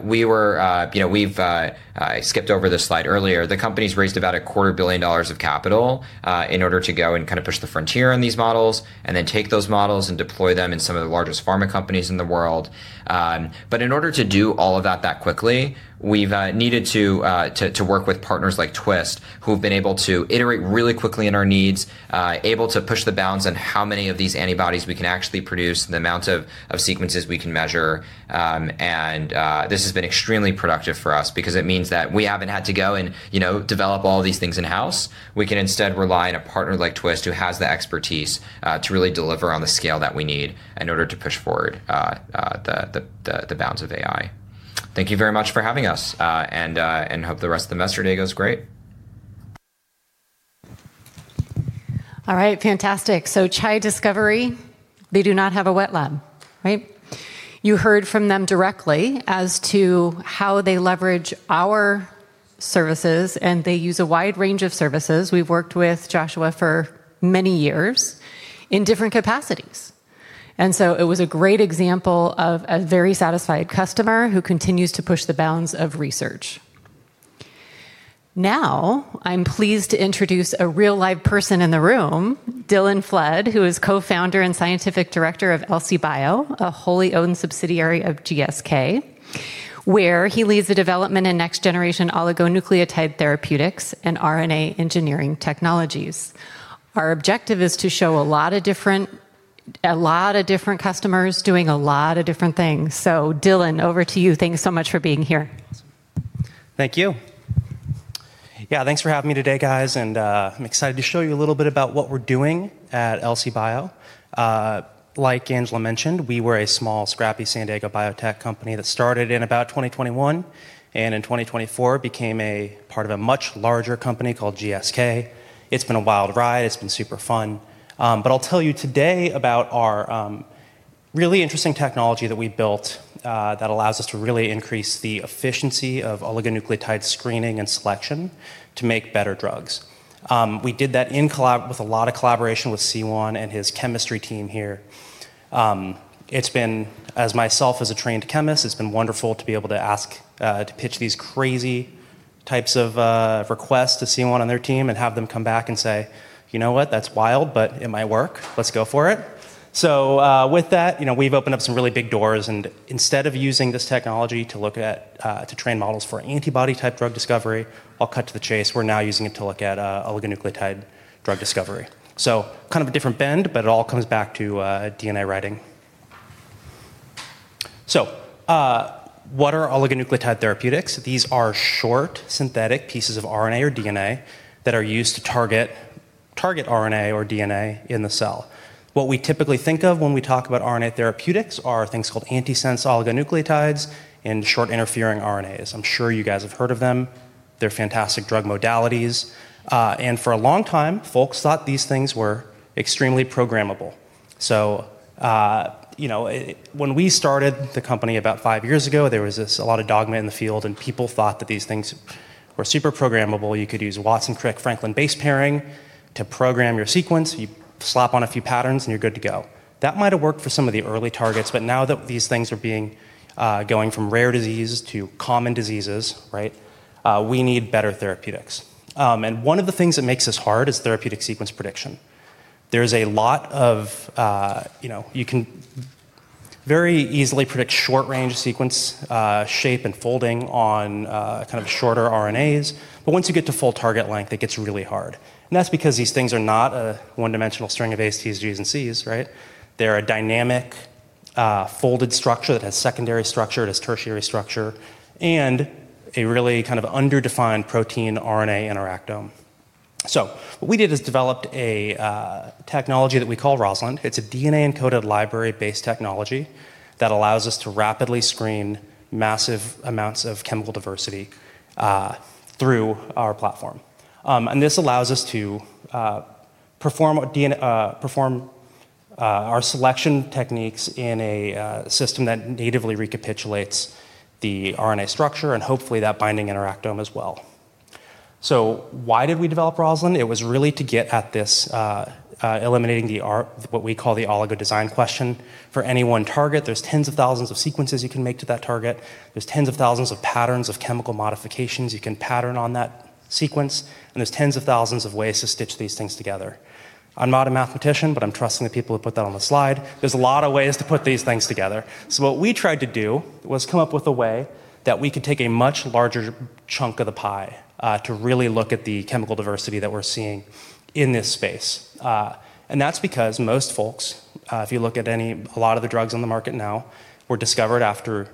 skipped over this slide earlier. The company's raised about a $250 million of capital in order to go and push the frontier on these models and then take those models and deploy them in some of the largest pharma companies in the world. In order to do all of that that quickly, we've needed to work with partners like Twist who've been able to iterate really quickly on our needs, able to push the bounds on how many of these antibodies we can actually produce and the amount of sequences we can measure. This has been extremely productive for us because it means that we haven't had to go and develop all these things in-house. We can instead rely on a partner like Twist who has the expertise to really deliver on the scale that we need in order to push forward the bounds of AI. Thank you very much for having us. Hope the rest of your day goes great. All right. Fantastic. Chai Discovery, they do not have a wet lab, right? You heard from them directly as to how they leverage our services, and they use a wide range of services. We've worked with Joshua for many years in different capacities, and so it was a great example of a very satisfied customer who continues to push the bounds of research. Now, I'm pleased to introduce a real live person in the room, Dillon Flood, who is co-founder and Scientific Director of Elsie Bio, a wholly owned subsidiary of GSK, where he leads the development in next-generation oligonucleotide therapeutics and RNA engineering technologies. Our objective is to show a lot of different customers doing a lot of different things. Dillon, over to you. Thank you so much for being here. Thank you. Yeah, thanks for having me today, guys. I'm excited to show you a little bit about what we're doing at Elsie Bio. Like Angela mentioned, we were a small, scrappy San Diego biotech company that started in about 2021, and in 2024 became a part of a much larger company called GSK. It's been a wild ride. It's been super fun. I'll tell you today about our really interesting technology that we built that allows us to really increase the efficiency of oligonucleotide screening and selection to make better drugs. We did that with a lot of collaboration with Siyuan and his chemistry team here. As myself as a trained chemist, it's been wonderful to be able to pitch these crazy types of requests to Siyuan and their team and have them come back and say, "You know what? That's wild, but it might work. Let's go for it. With that, we've opened up some really big doors, and instead of using this technology to train models for antibody type drug discovery, I'll cut to the chase, we're now using it to look at oligonucleotide drug discovery. Kind of a different bend, but it all comes back to DNA writing. What are oligonucleotide therapeutics? These are short synthetic pieces of RNA or DNA that are used to target RNA or DNA in the cell. What we typically think of when we talk about RNA therapeutics are things called antisense oligonucleotides and short interfering RNAs. I'm sure you guys have heard of them. They're fantastic drug modalities. For a long time, folks thought these things were extremely programmable. When we started the company about five years ago, there was a lot of dogma in the field, and people thought that these things were super programmable. You could use Watson-Crick-Franklin base pairing to program your sequence. You slap on a few patterns, and you're good to go. That might have worked for some of the early targets, but now that these things are going from rare diseases to common diseases, we need better therapeutics. One of the things that makes this hard is therapeutic sequence prediction. You can very easily predict short range sequence shape and folding on shorter RNAs, but once you get to full target length, it gets really hard. That's because these things are not a one-dimensional string of A, C, Gs and Cs, right? They're a dynamic folded structure that has secondary structure, it has tertiary structure, and a really kind of underdefined protein RNA interactome. What we did is developed a technology that we call ROSALIND. It's a DNA-encoded library based technology that allows us to rapidly screen massive amounts of chemical diversity through our platform. This allows us to perform our selection techniques in a system that natively recapitulates the RNA structure and hopefully that binding interactome as well. Why did we develop ROSALIND? It was really to get at this eliminating what we call the oligo design question for any one target. There's tens of thousands of sequences you can make to that target. There's tens of thousands of patterns of chemical modifications you can pattern on that sequence, and there's tens of thousands of ways to stitch these things together. I'm not a mathematician, but I'm trusting the people who put that on the slide. There's a lot of ways to put these things together. What we tried to do was come up with a way that we could take a much larger chunk of the pie to really look at the chemical diversity that we're seeing in this space. That's because most folks, if you look at a lot of the drugs on the market now were discovered after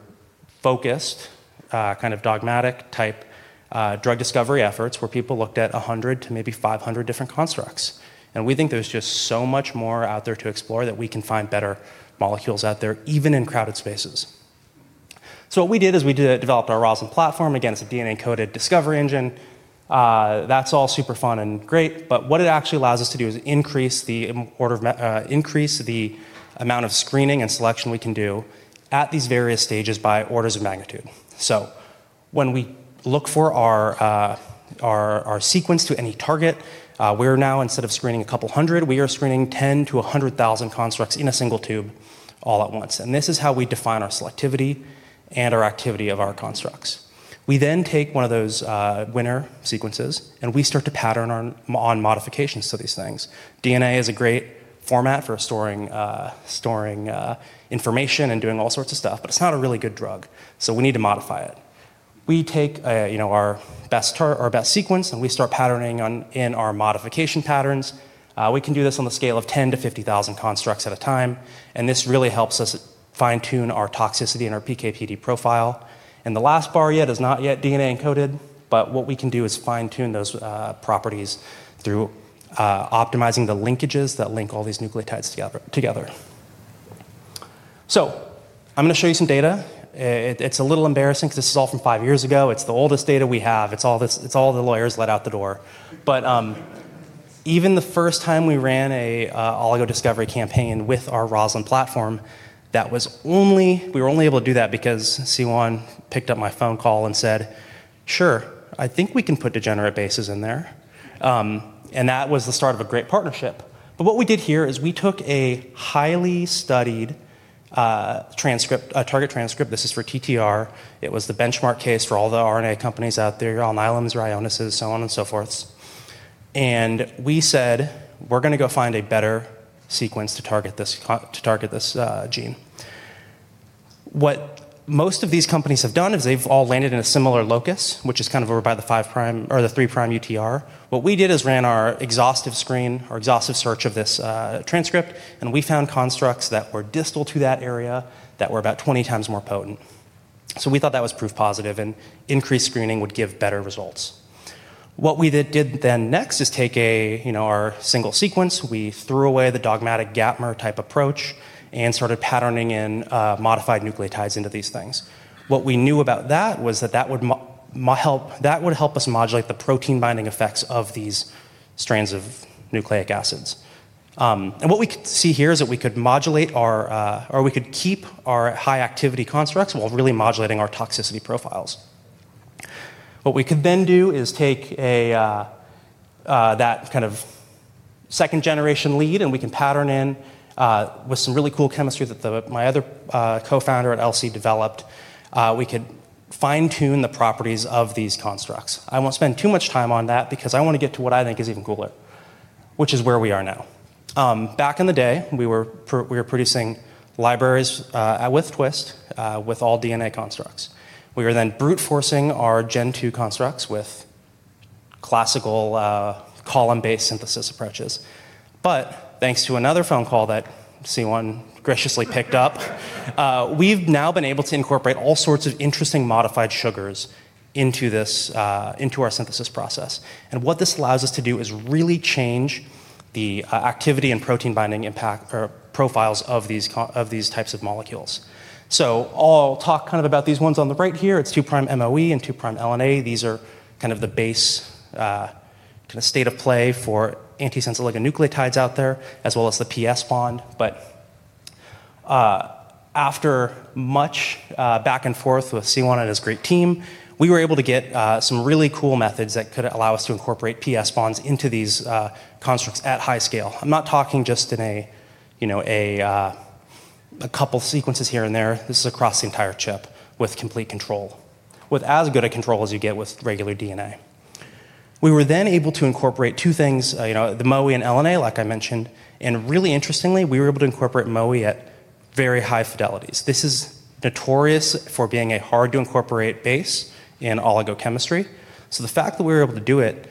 focused, dogmatic-type drug discovery efforts where people looked at 100 to maybe 500 different constructs. We think there's just so much more out there to explore that we can find better molecules out there, even in crowded spaces. What we did is we developed our ROSALIND platform. Again, it's a DNA-encoded discovery engine. That's all super fun and great, what it actually allows us to do is increase the amount of screening and selection we can do at these various stages by orders of magnitude. When we look for our sequence to any target, we're now, instead of screening a couple of 100, we are screening 10 to 100,000 constructs in a single tube all at once. This is how we define our selectivity and our activity of our constructs. We take one of those winner sequences, and we start to pattern on modifications to these things. DNA is a great format for storing information and doing all sorts of stuff, but it's not a really good drug, so we need to modify it. We take our best sequence, and we start patterning in our modification patterns. We can do this on the scale of 10 to 50,000 constructs at a time. This really helps us fine-tune our toxicity and our PK/PD profile. The last bar yet is not yet DNA encoded, but what we can do is fine-tune those properties through optimizing the linkages that link all these nucleotides together. I'm going to show you some data. It's a little embarrassing because this is all from five years ago. It's the oldest data we have. It's all the lawyers let out the door. Even the first time we ran an oligo discovery campaign with our ROSALIND platform, we were only able to do that because Siyuan picked up my phone call and said, "Sure, I think we can put degenerate bases in there." That was the start of a great partnership. What we did here is we took a highly studied target transcript. This is for TTR. It was the benchmark case for all the RNA companies out there, Alnylam, Ionis, so on and so forth. We said, "We're going to go find a better sequence to target this gene." What most of these companies have done is they've all landed in a similar locus, which is over by the 3' UTR. What we did is ran our exhaustive screen, our exhaustive search of this transcript, and we found constructs that were distal to that area that were about 20x more potent. We thought that was proof positive and increased screening would give better results. What we did then next is take our single sequence. We threw away the dogmatic gapmer-type approach and started patterning in modified nucleotides into these things. What we knew about that was that that would help us modulate the protein binding effects of these strands of nucleic acids. What we could see here is that we could keep our high activity constructs while really modulating our toxicity profiles. What we could then do is take that second-generation lead, and we can pattern in with some really cool chemistry that my other co-founder at Elsie developed. We could fine-tune the properties of these constructs. I won't spend too much time on that because I want to get to what I think is even cooler, which is where we are now. Back in the day, we were producing libraries with Twist with all DNA constructs. We were then brute-forcing our Gen 2 constructs with classical column-based synthesis approaches. Thanks to another phone call that Siyuan graciously picked up, we've now been able to incorporate all sorts of interesting modified sugars into our synthesis process. What this allows us to do is really change the activity and protein binding impact or profiles of these types of molecules. I'll talk about these ones on the right here. It's 2'-MOE and LNA. These are the base state of play for antisense oligonucleotides out there, as well as the PS bond. After much back and forth with Siyuan and his great team, we were able to get some really cool methods that could allow us to incorporate PS bonds into these constructs at high scale. I'm not talking just in a couple of sequences here and there. This is across the entire chip with complete control, with as good a control as you get with regular DNA. We were then able to incorporate two things, the MOE and LNA, like I mentioned. Really interestingly, we were able to incorporate MOE at very high fidelities. This is notorious for being a hard-to-incorporate base in oligochemistry. The fact that we were able to do it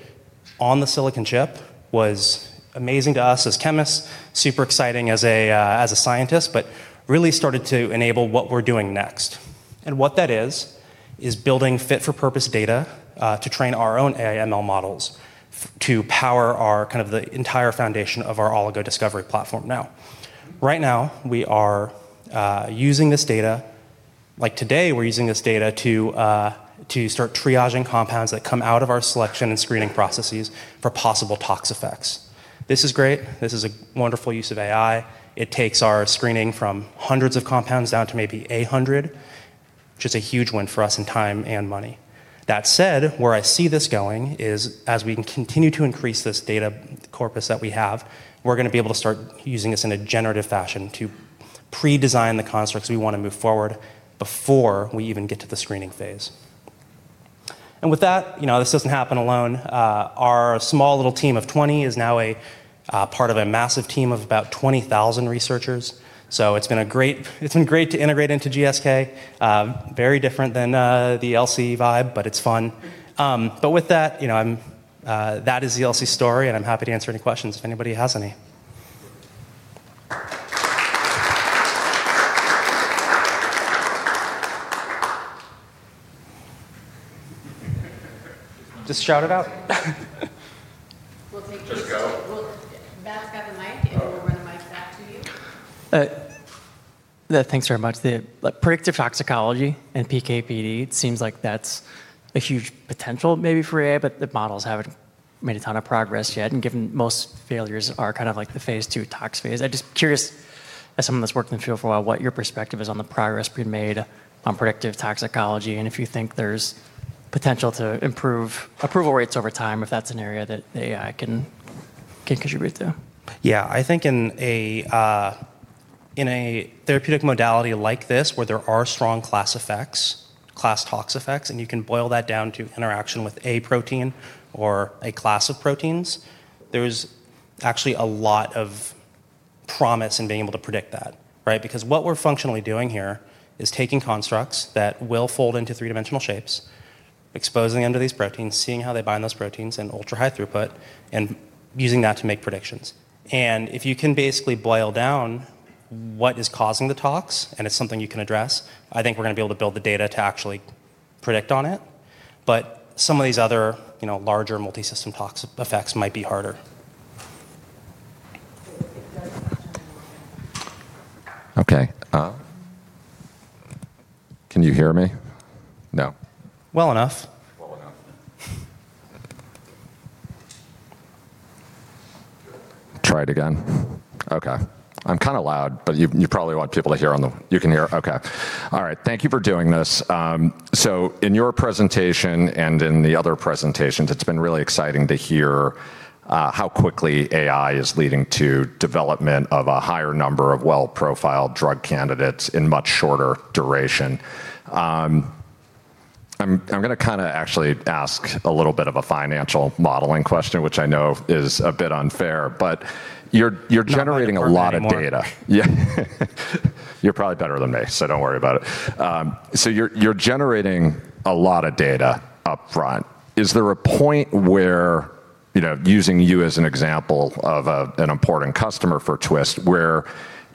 on the silicon chip was amazing to us as chemists, super exciting as a scientist, but really started to enable what we're doing next. What that is building fit-for-purpose data to train our own AI/ML models to power the entire foundation of our oligo discovery platform now. Right now, we are using this data. Today, we're using this data to start triaging compounds that come out of our selection and screening processes for possible tox effects. This is great. This is a wonderful use of AI. It takes our screening from hundreds of compounds down to maybe 100, which is a huge win for us in time and money. That said, where I see this going is as we continue to increase this data corpus that we have, we're going to be able to start using this in a generative fashion to pre-design the constructs we want to move forward before we even get to the screening phase. With that, this doesn't happen alone. Our small little team of 20 is now a part of a massive team of about 20,000 researchers. It's been great to integrate into GSK. Very different than the Elsie vibe, but it's fun. With that is the Elsie story, and I'm happy to answer any questions if anybody has any. Just shout it out? We'll take this. Just go? Matt's got the mic. Oh We'll run a mic back to you. Thanks very much. The predictive toxicology in PK/PD, it seems like that's a huge potential maybe for AI, but the models haven't made a ton of progress yet, and given most failures are the phase II tox phase, I'm just curious, as someone that's worked in the field for a while, what your perspective is on the progress being made on predictive toxicology, and if you think there's potential to improve approval rates over time, if that's an area that AI can contribute to? Yeah. I think in a therapeutic modality like this, where there are strong class effects, class tox effects, and you can boil that down to interaction with a protein or a class of proteins. There's actually a lot of promise in being able to predict that, right? Because what we're functionally doing here is taking constructs that will fold into three-dimensional shapes, exposing them to these proteins, seeing how they bind those proteins in ultra-high throughput, and using that to make predictions. If you can basically boil down what is causing the tox, and it's something you can address, I think we're going to be able to build the data to actually predict on it, but some of these other larger multi-system tox effects might be harder. Okay. Can you hear me? No. Well enough. Well enough. Try it again? Okay. I'm kind of loud, but you probably want people to hear. You can hear? Okay. All right. Thank you for doing this. In your presentation and in the other presentations, it's been really exciting to hear how quickly AI is leading to development of a higher number of well-profiled drug candidates in much shorter duration. I'm going to actually ask a little bit of a financial modeling question, which I know is a bit unfair, but you're generating a lot of data. Not my department anymore. Yeah. You're probably better than me, so don't worry about it. You're generating a lot of data up front. Is there a point where, using you as an example of an important customer for Twist, where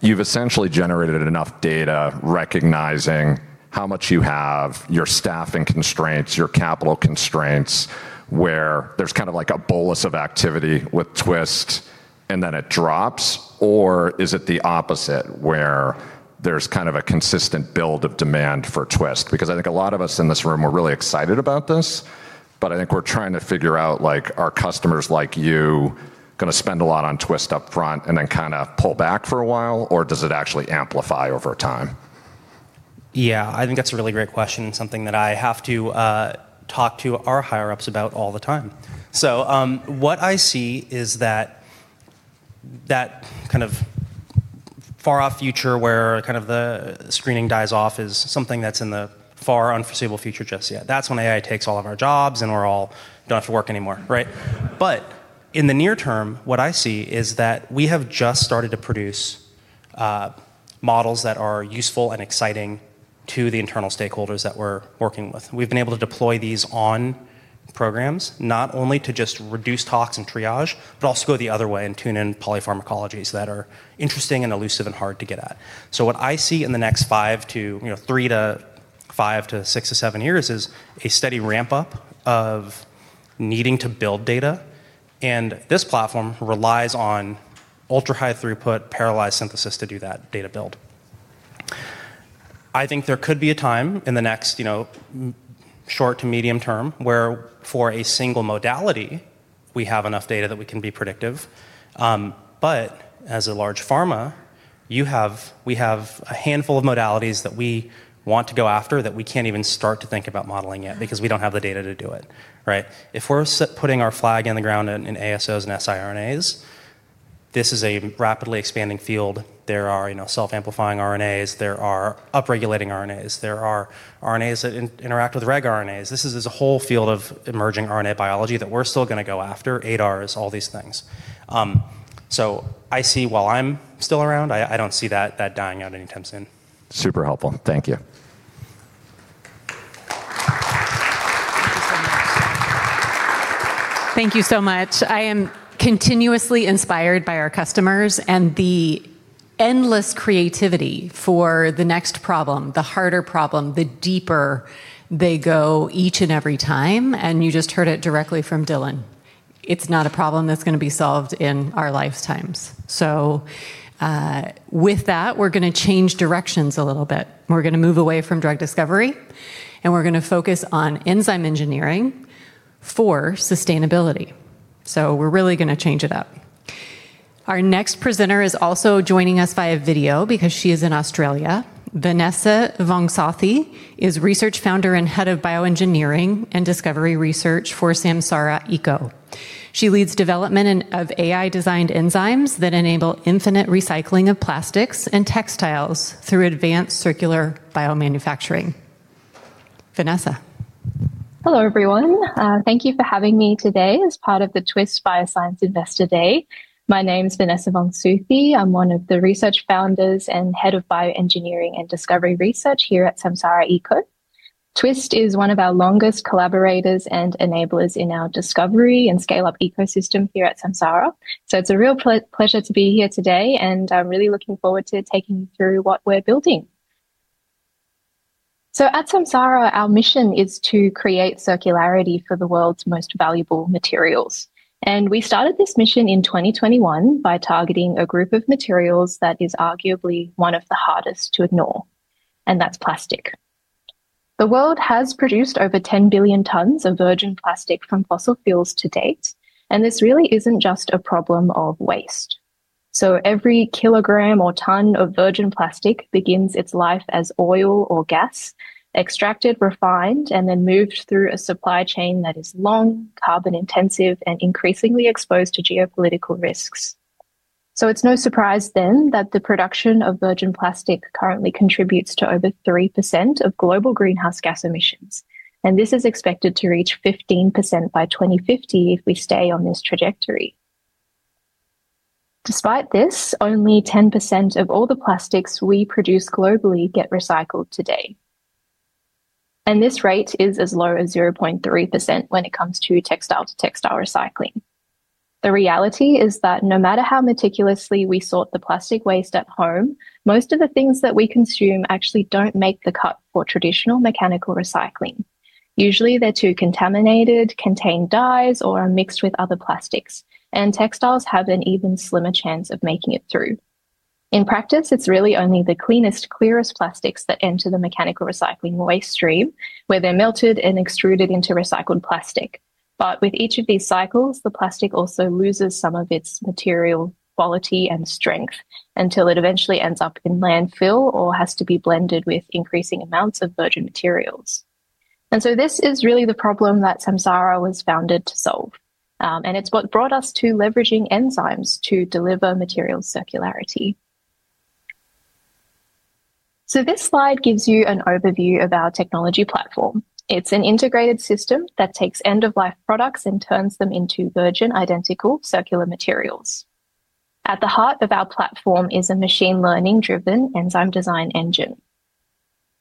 you've essentially generated enough data recognizing how much you have, your staffing constraints, your capital constraints, where there's kind of like a bolus of activity with Twist, and then it drops? Or is it the opposite, where there's a consistent build of demand for Twist? I think a lot of us in this room are really excited about this, but I think we're trying to figure out, are customers like you going to spend a lot on Twist up front and then pull back for a while, or does it actually amplify over time? Yeah. I think that's a really great question, and something that I have to talk to our higher-ups about all the time. What I see is that kind of far-off future where the screening dies off is something that's in the far unforeseeable future just yet. That's when AI takes all of our jobs, and we all don't have to work anymore, right? In the near term, what I see is that we have just started to produce models that are useful and exciting to the internal stakeholders that we're working with. We've been able to deploy these on programs, not only to just reduce tox and triage, but also go the other way and tune in polypharmacologies that are interesting and elusive and hard to get at. What I see in the next three to five to six to seven years is a steady ramp-up of needing to build data, and this platform relies on ultra-high throughput parallelized synthesis to do that data build. I think there could be a time in the next short to medium term where for a single modality, we have enough data that we can be predictive. As a large pharma, we have a handful of modalities that we want to go after that we can't even start to think about modeling yet because we don't have the data to do it, right? If we're putting our flag in the ground in ASOs and siRNAs, this is a rapidly expanding field. There are self-amplifying RNAs. There are upregulating RNAs. There are RNAs that interact with regRNAs. This is a whole field of emerging RNA biology that we're still going to go after. ADARs, all these things. I see while I'm still around, I don't see that dying out anytime soon. Super helpful. Thank you. Thank you so much. I am continuously inspired by our customers and the endless creativity for the next problem, the harder problem, the deeper they go each and every time, and you just heard it directly from Dillon. It's not a problem that's going to be solved in our lifetimes. With that, we're going to change directions a little bit. We're going to move away from drug discovery, and we're going to focus on enzyme engineering for sustainability. We're really going to change it up. Our next presenter is also joining us via video because she is in Australia. Vanessa Vongsouthi is Research Founder and Head of Bioengineering and Discovery Research for Samsara Eco. She leads development of AI-designed enzymes that enable infinite recycling of plastics and textiles through advanced circular biomanufacturing. Vanessa. Hello, everyone. Thank you for having me today as part of the Twist Bioscience Investor Day. My name's Vanessa Vongsouthi. I'm one of the research founders and Head of Bioengineering and Discovery Research here at Samsara Eco. Twist is one of our longest collaborators and enablers in our discovery and scale-up ecosystem here at Samsara. It's a real pleasure to be here today, and I'm really looking forward to taking you through what we're building. At Samsara, our mission is to create circularity for the world's most valuable materials. We started this mission in 2021 by targeting a group of materials that is arguably one of the hardest to ignore, and that's plastic. The world has produced over 10 billion tons of virgin plastic from fossil fuels to date, and this really isn't just a problem of waste. Every kilogram or ton of virgin plastic begins its life as oil or gas, extracted, refined, and then moved through a supply chain that is long, carbon intensive, and increasingly exposed to geopolitical risks. It's no surprise then, that the production of virgin plastic currently contributes to over 3% of global greenhouse gas emissions, and this is expected to reach 15% by 2050 if we stay on this trajectory. Despite this, only 10% of all the plastics we produce globally get recycled today. This rate is as low as 0.3% when it comes to textile-to-textile recycling. The reality is that no matter how meticulously we sort the plastic waste at home, most of the things that we consume actually don't make the cut for traditional mechanical recycling. Usually, they're too contaminated, contain dyes, or are mixed with other plastics. Textiles have an even slimmer chance of making it through. In practice, it's really only the cleanest, clearest plastics that enter the mechanical recycling waste stream, where they're melted and extruded into recycled plastic. With each of these cycles, the plastic also loses some of its material quality and strength until it eventually ends up in landfill or has to be blended with increasing amounts of virgin materials. This is really the problem that Samsara was founded to solve. It's what brought us to leveraging enzymes to deliver material circularity. This slide gives you an overview of our technology platform. It's an integrated system that takes end-of-life products and turns them into virgin identical circular materials. At the heart of our platform is a machine learning driven enzyme design engine.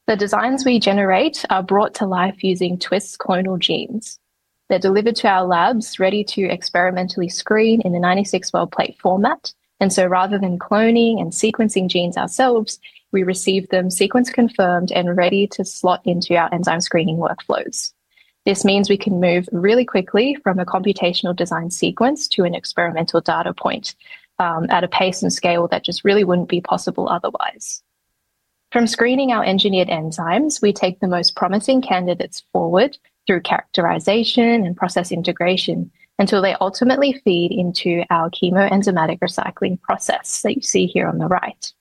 The designs we generate are brought to life using Twist's Clonal Genes. They're delivered to our labs, ready to experimentally screen in a 96-well plate format. Rather than cloning and sequencing genes ourselves, we receive them sequence confirmed and ready to slot into our enzyme screening workflows. This means we can move really quickly from a computational design sequence to an experimental data point, at a pace and scale that just really wouldn't be possible otherwise. From screening our engineered enzymes, we take the most promising candidates forward through characterization and process integration until they ultimately feed into our chemoenzymatic recycling process that you see here on the right.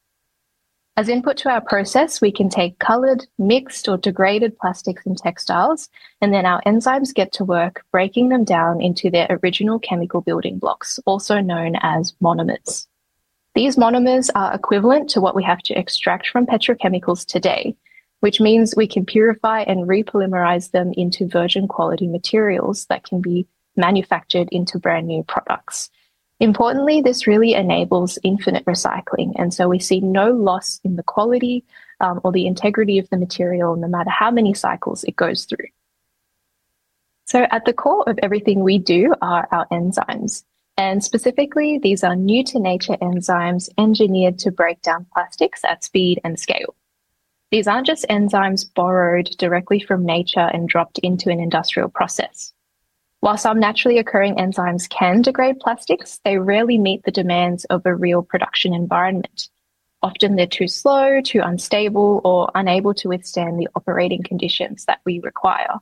As input to our process, we can take colored, mixed, or degraded plastic from textiles, and then our enzymes get to work breaking them down into their original chemical building blocks, also known as monomers. These monomers are equivalent to what we have to extract from petrochemicals today, which means we can purify and repolymerize them into virgin quality materials that can be manufactured into brand-new products. Importantly, this really enables infinite recycling, We see no loss in the quality or the integrity of the material, no matter how many cycles it goes through. At the core of everything we do are our enzymes. Specifically, these are new to nature enzymes engineered to break down plastics at speed and scale. These aren't just enzymes borrowed directly from nature and dropped into an industrial process. While some naturally occurring enzymes can degrade plastics, they rarely meet the demands of a real production environment. Often, they're too slow, too unstable, or unable to withstand the operating conditions that we require.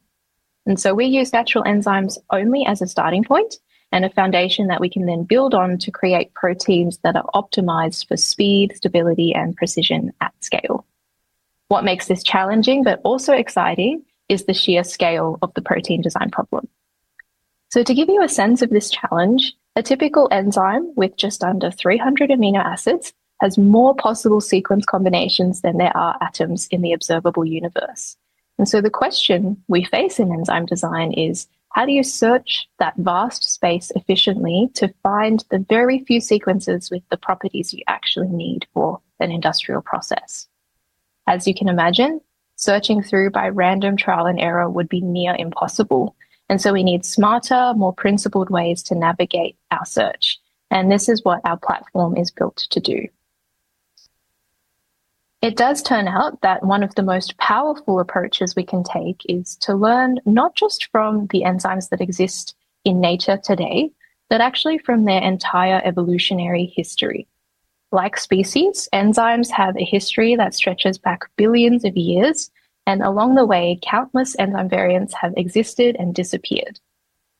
We use natural enzymes only as a starting point and a foundation that we can then build on to create proteins that are optimized for speed, stability, and precision at scale. What makes this challenging but also exciting is the sheer scale of the protein design problem. To give you a sense of this challenge, a typical enzyme with just under 300 amino acids has more possible sequence combinations than there are atoms in the observable universe. The question we face in enzyme design is: how do you search that vast space efficiently to find the very few sequences with the properties you actually need for an industrial process? As you can imagine, searching through by random trial and error would be near impossible. We need smarter, more principled ways to navigate our search. This is what our platform is built to do. It does turn out that one of the most powerful approaches we can take is to learn not just from the enzymes that exist in nature today, but actually from their entire evolutionary history. Like species, enzymes have a history that stretches back billions of years, and along the way, countless enzyme variants have existed and disappeared.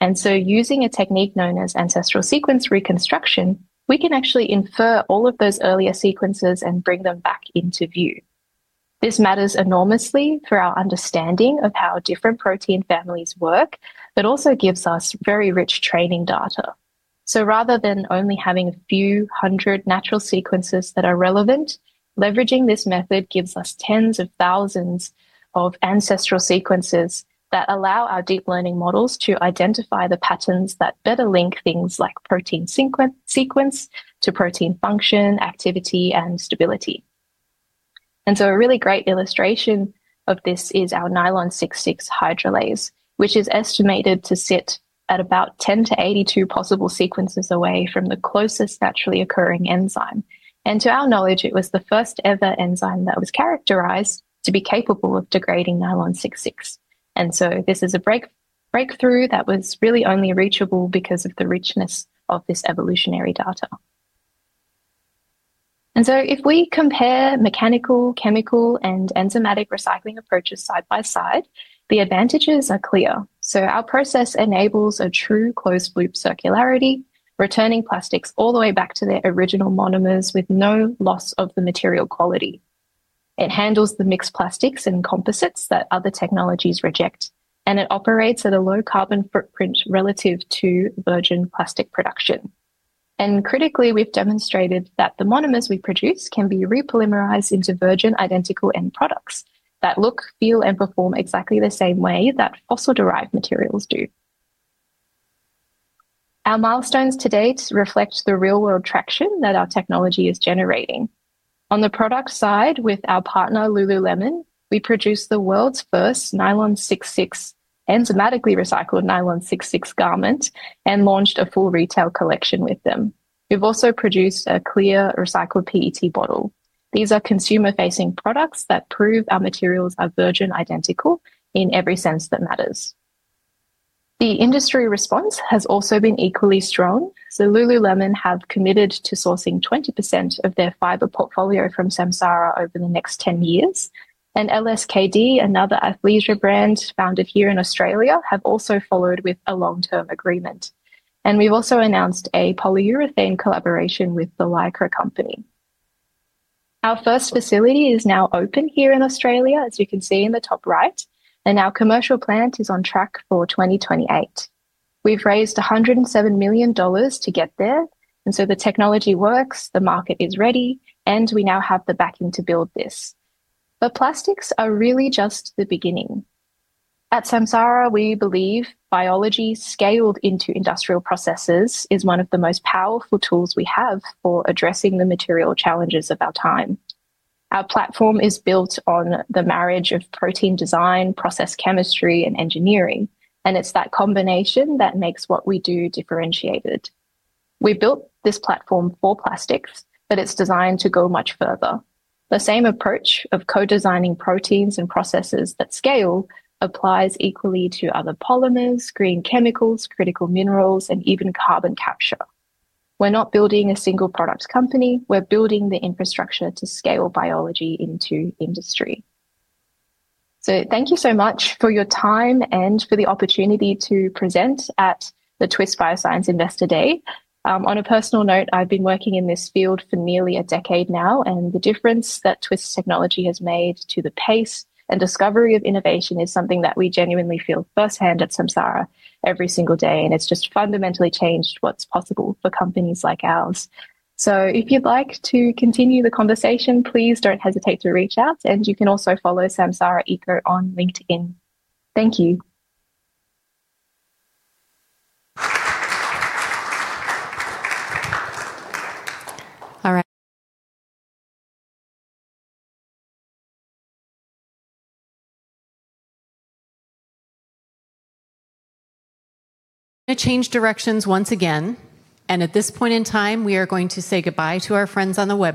Using a technique known as ancestral sequence reconstruction, we can actually infer all of those earlier sequences and bring them back into view. This matters enormously for our understanding of how different protein families work but also gives us very rich training data. Rather than only having a few 100 natural sequences that are relevant, leveraging this method gives us tens of thousands of ancestral sequences that allow our deep learning models to identify the patterns that better link things like protein sequence to protein function, activity, and stability. A really great illustration of this is our nylon 6,6 hydrolase, which is estimated to sit at about [10 to the 82nd power] possible sequences away from the closest naturally occurring enzyme. To our knowledge, it was the first ever enzyme that was characterized to be capable of degrading nylon 6,6. This is a breakthrough that was really only reachable because of the richness of this evolutionary data. If we compare mechanical, chemical, and enzymatic recycling approaches side by side, the advantages are clear. Our process enables a true closed-loop circularity, returning plastics all the way back to their original monomers with no loss of the material quality. It handles the mixed plastics and composites that other technologies reject, and it operates at a low carbon footprint relative to virgin plastic production. Critically, we've demonstrated that the monomers we produce can be repolymerized into virgin identical end products that look, feel, and perform exactly the same way that fossil-derived materials do. Our milestones to date reflect the real-world traction that our technology is generating. On the product side, with our partner, lululemon, we produced the world's first enzymatically recycled nylon 6,6 garment and launched a full retail collection with them. We've also produced a clear recycled PET bottle. These are consumer-facing products that prove our materials are virgin identical in every sense that matters. The industry response has also been equally strong. Lululemon have committed to sourcing 20% of their fiber portfolio from Samsara over the next 10 years. LSKD, another athleisure brand founded here in Australia, have also followed with a long-term agreement. We've also announced a polyurethane collaboration with The LYCRA Company. Our first facility is now open here in Australia, as you can see in the top right, and our commercial plant is on track for 2028. We've raised $107 million to get there, and so the technology works, the market is ready, and we now have the backing to build this. Plastics are really just the beginning. At Samsara, we believe biology scaled into industrial processes is one of the most powerful tools we have for addressing the material challenges of our time. Our platform is built on the marriage of protein design, process chemistry, and engineering, and it's that combination that makes what we do differentiated. We built this platform for plastics, but it's designed to go much further. The same approach of co-designing proteins and processes at scale applies equally to other polymers, green chemicals, critical minerals, and even carbon capture. We're not building a single product company, we're building the infrastructure to scale biology into industry. Thank you so much for your time and for the opportunity to present at the Twist Bioscience Investor Day. On a personal note, I've been working in this field for nearly a decade now, and the difference that Twist technology has made to the pace and discovery of innovation is something that we genuinely feel firsthand at Samsara every single day, and it's just fundamentally changed what's possible for companies like ours. If you'd like to continue the conversation, please don't hesitate to reach out, and you can also follow Samsara Eco on LinkedIn. Thank you. All right. I'm going to change directions once again. At this point in time, we are going to say goodbye to our friends on the web.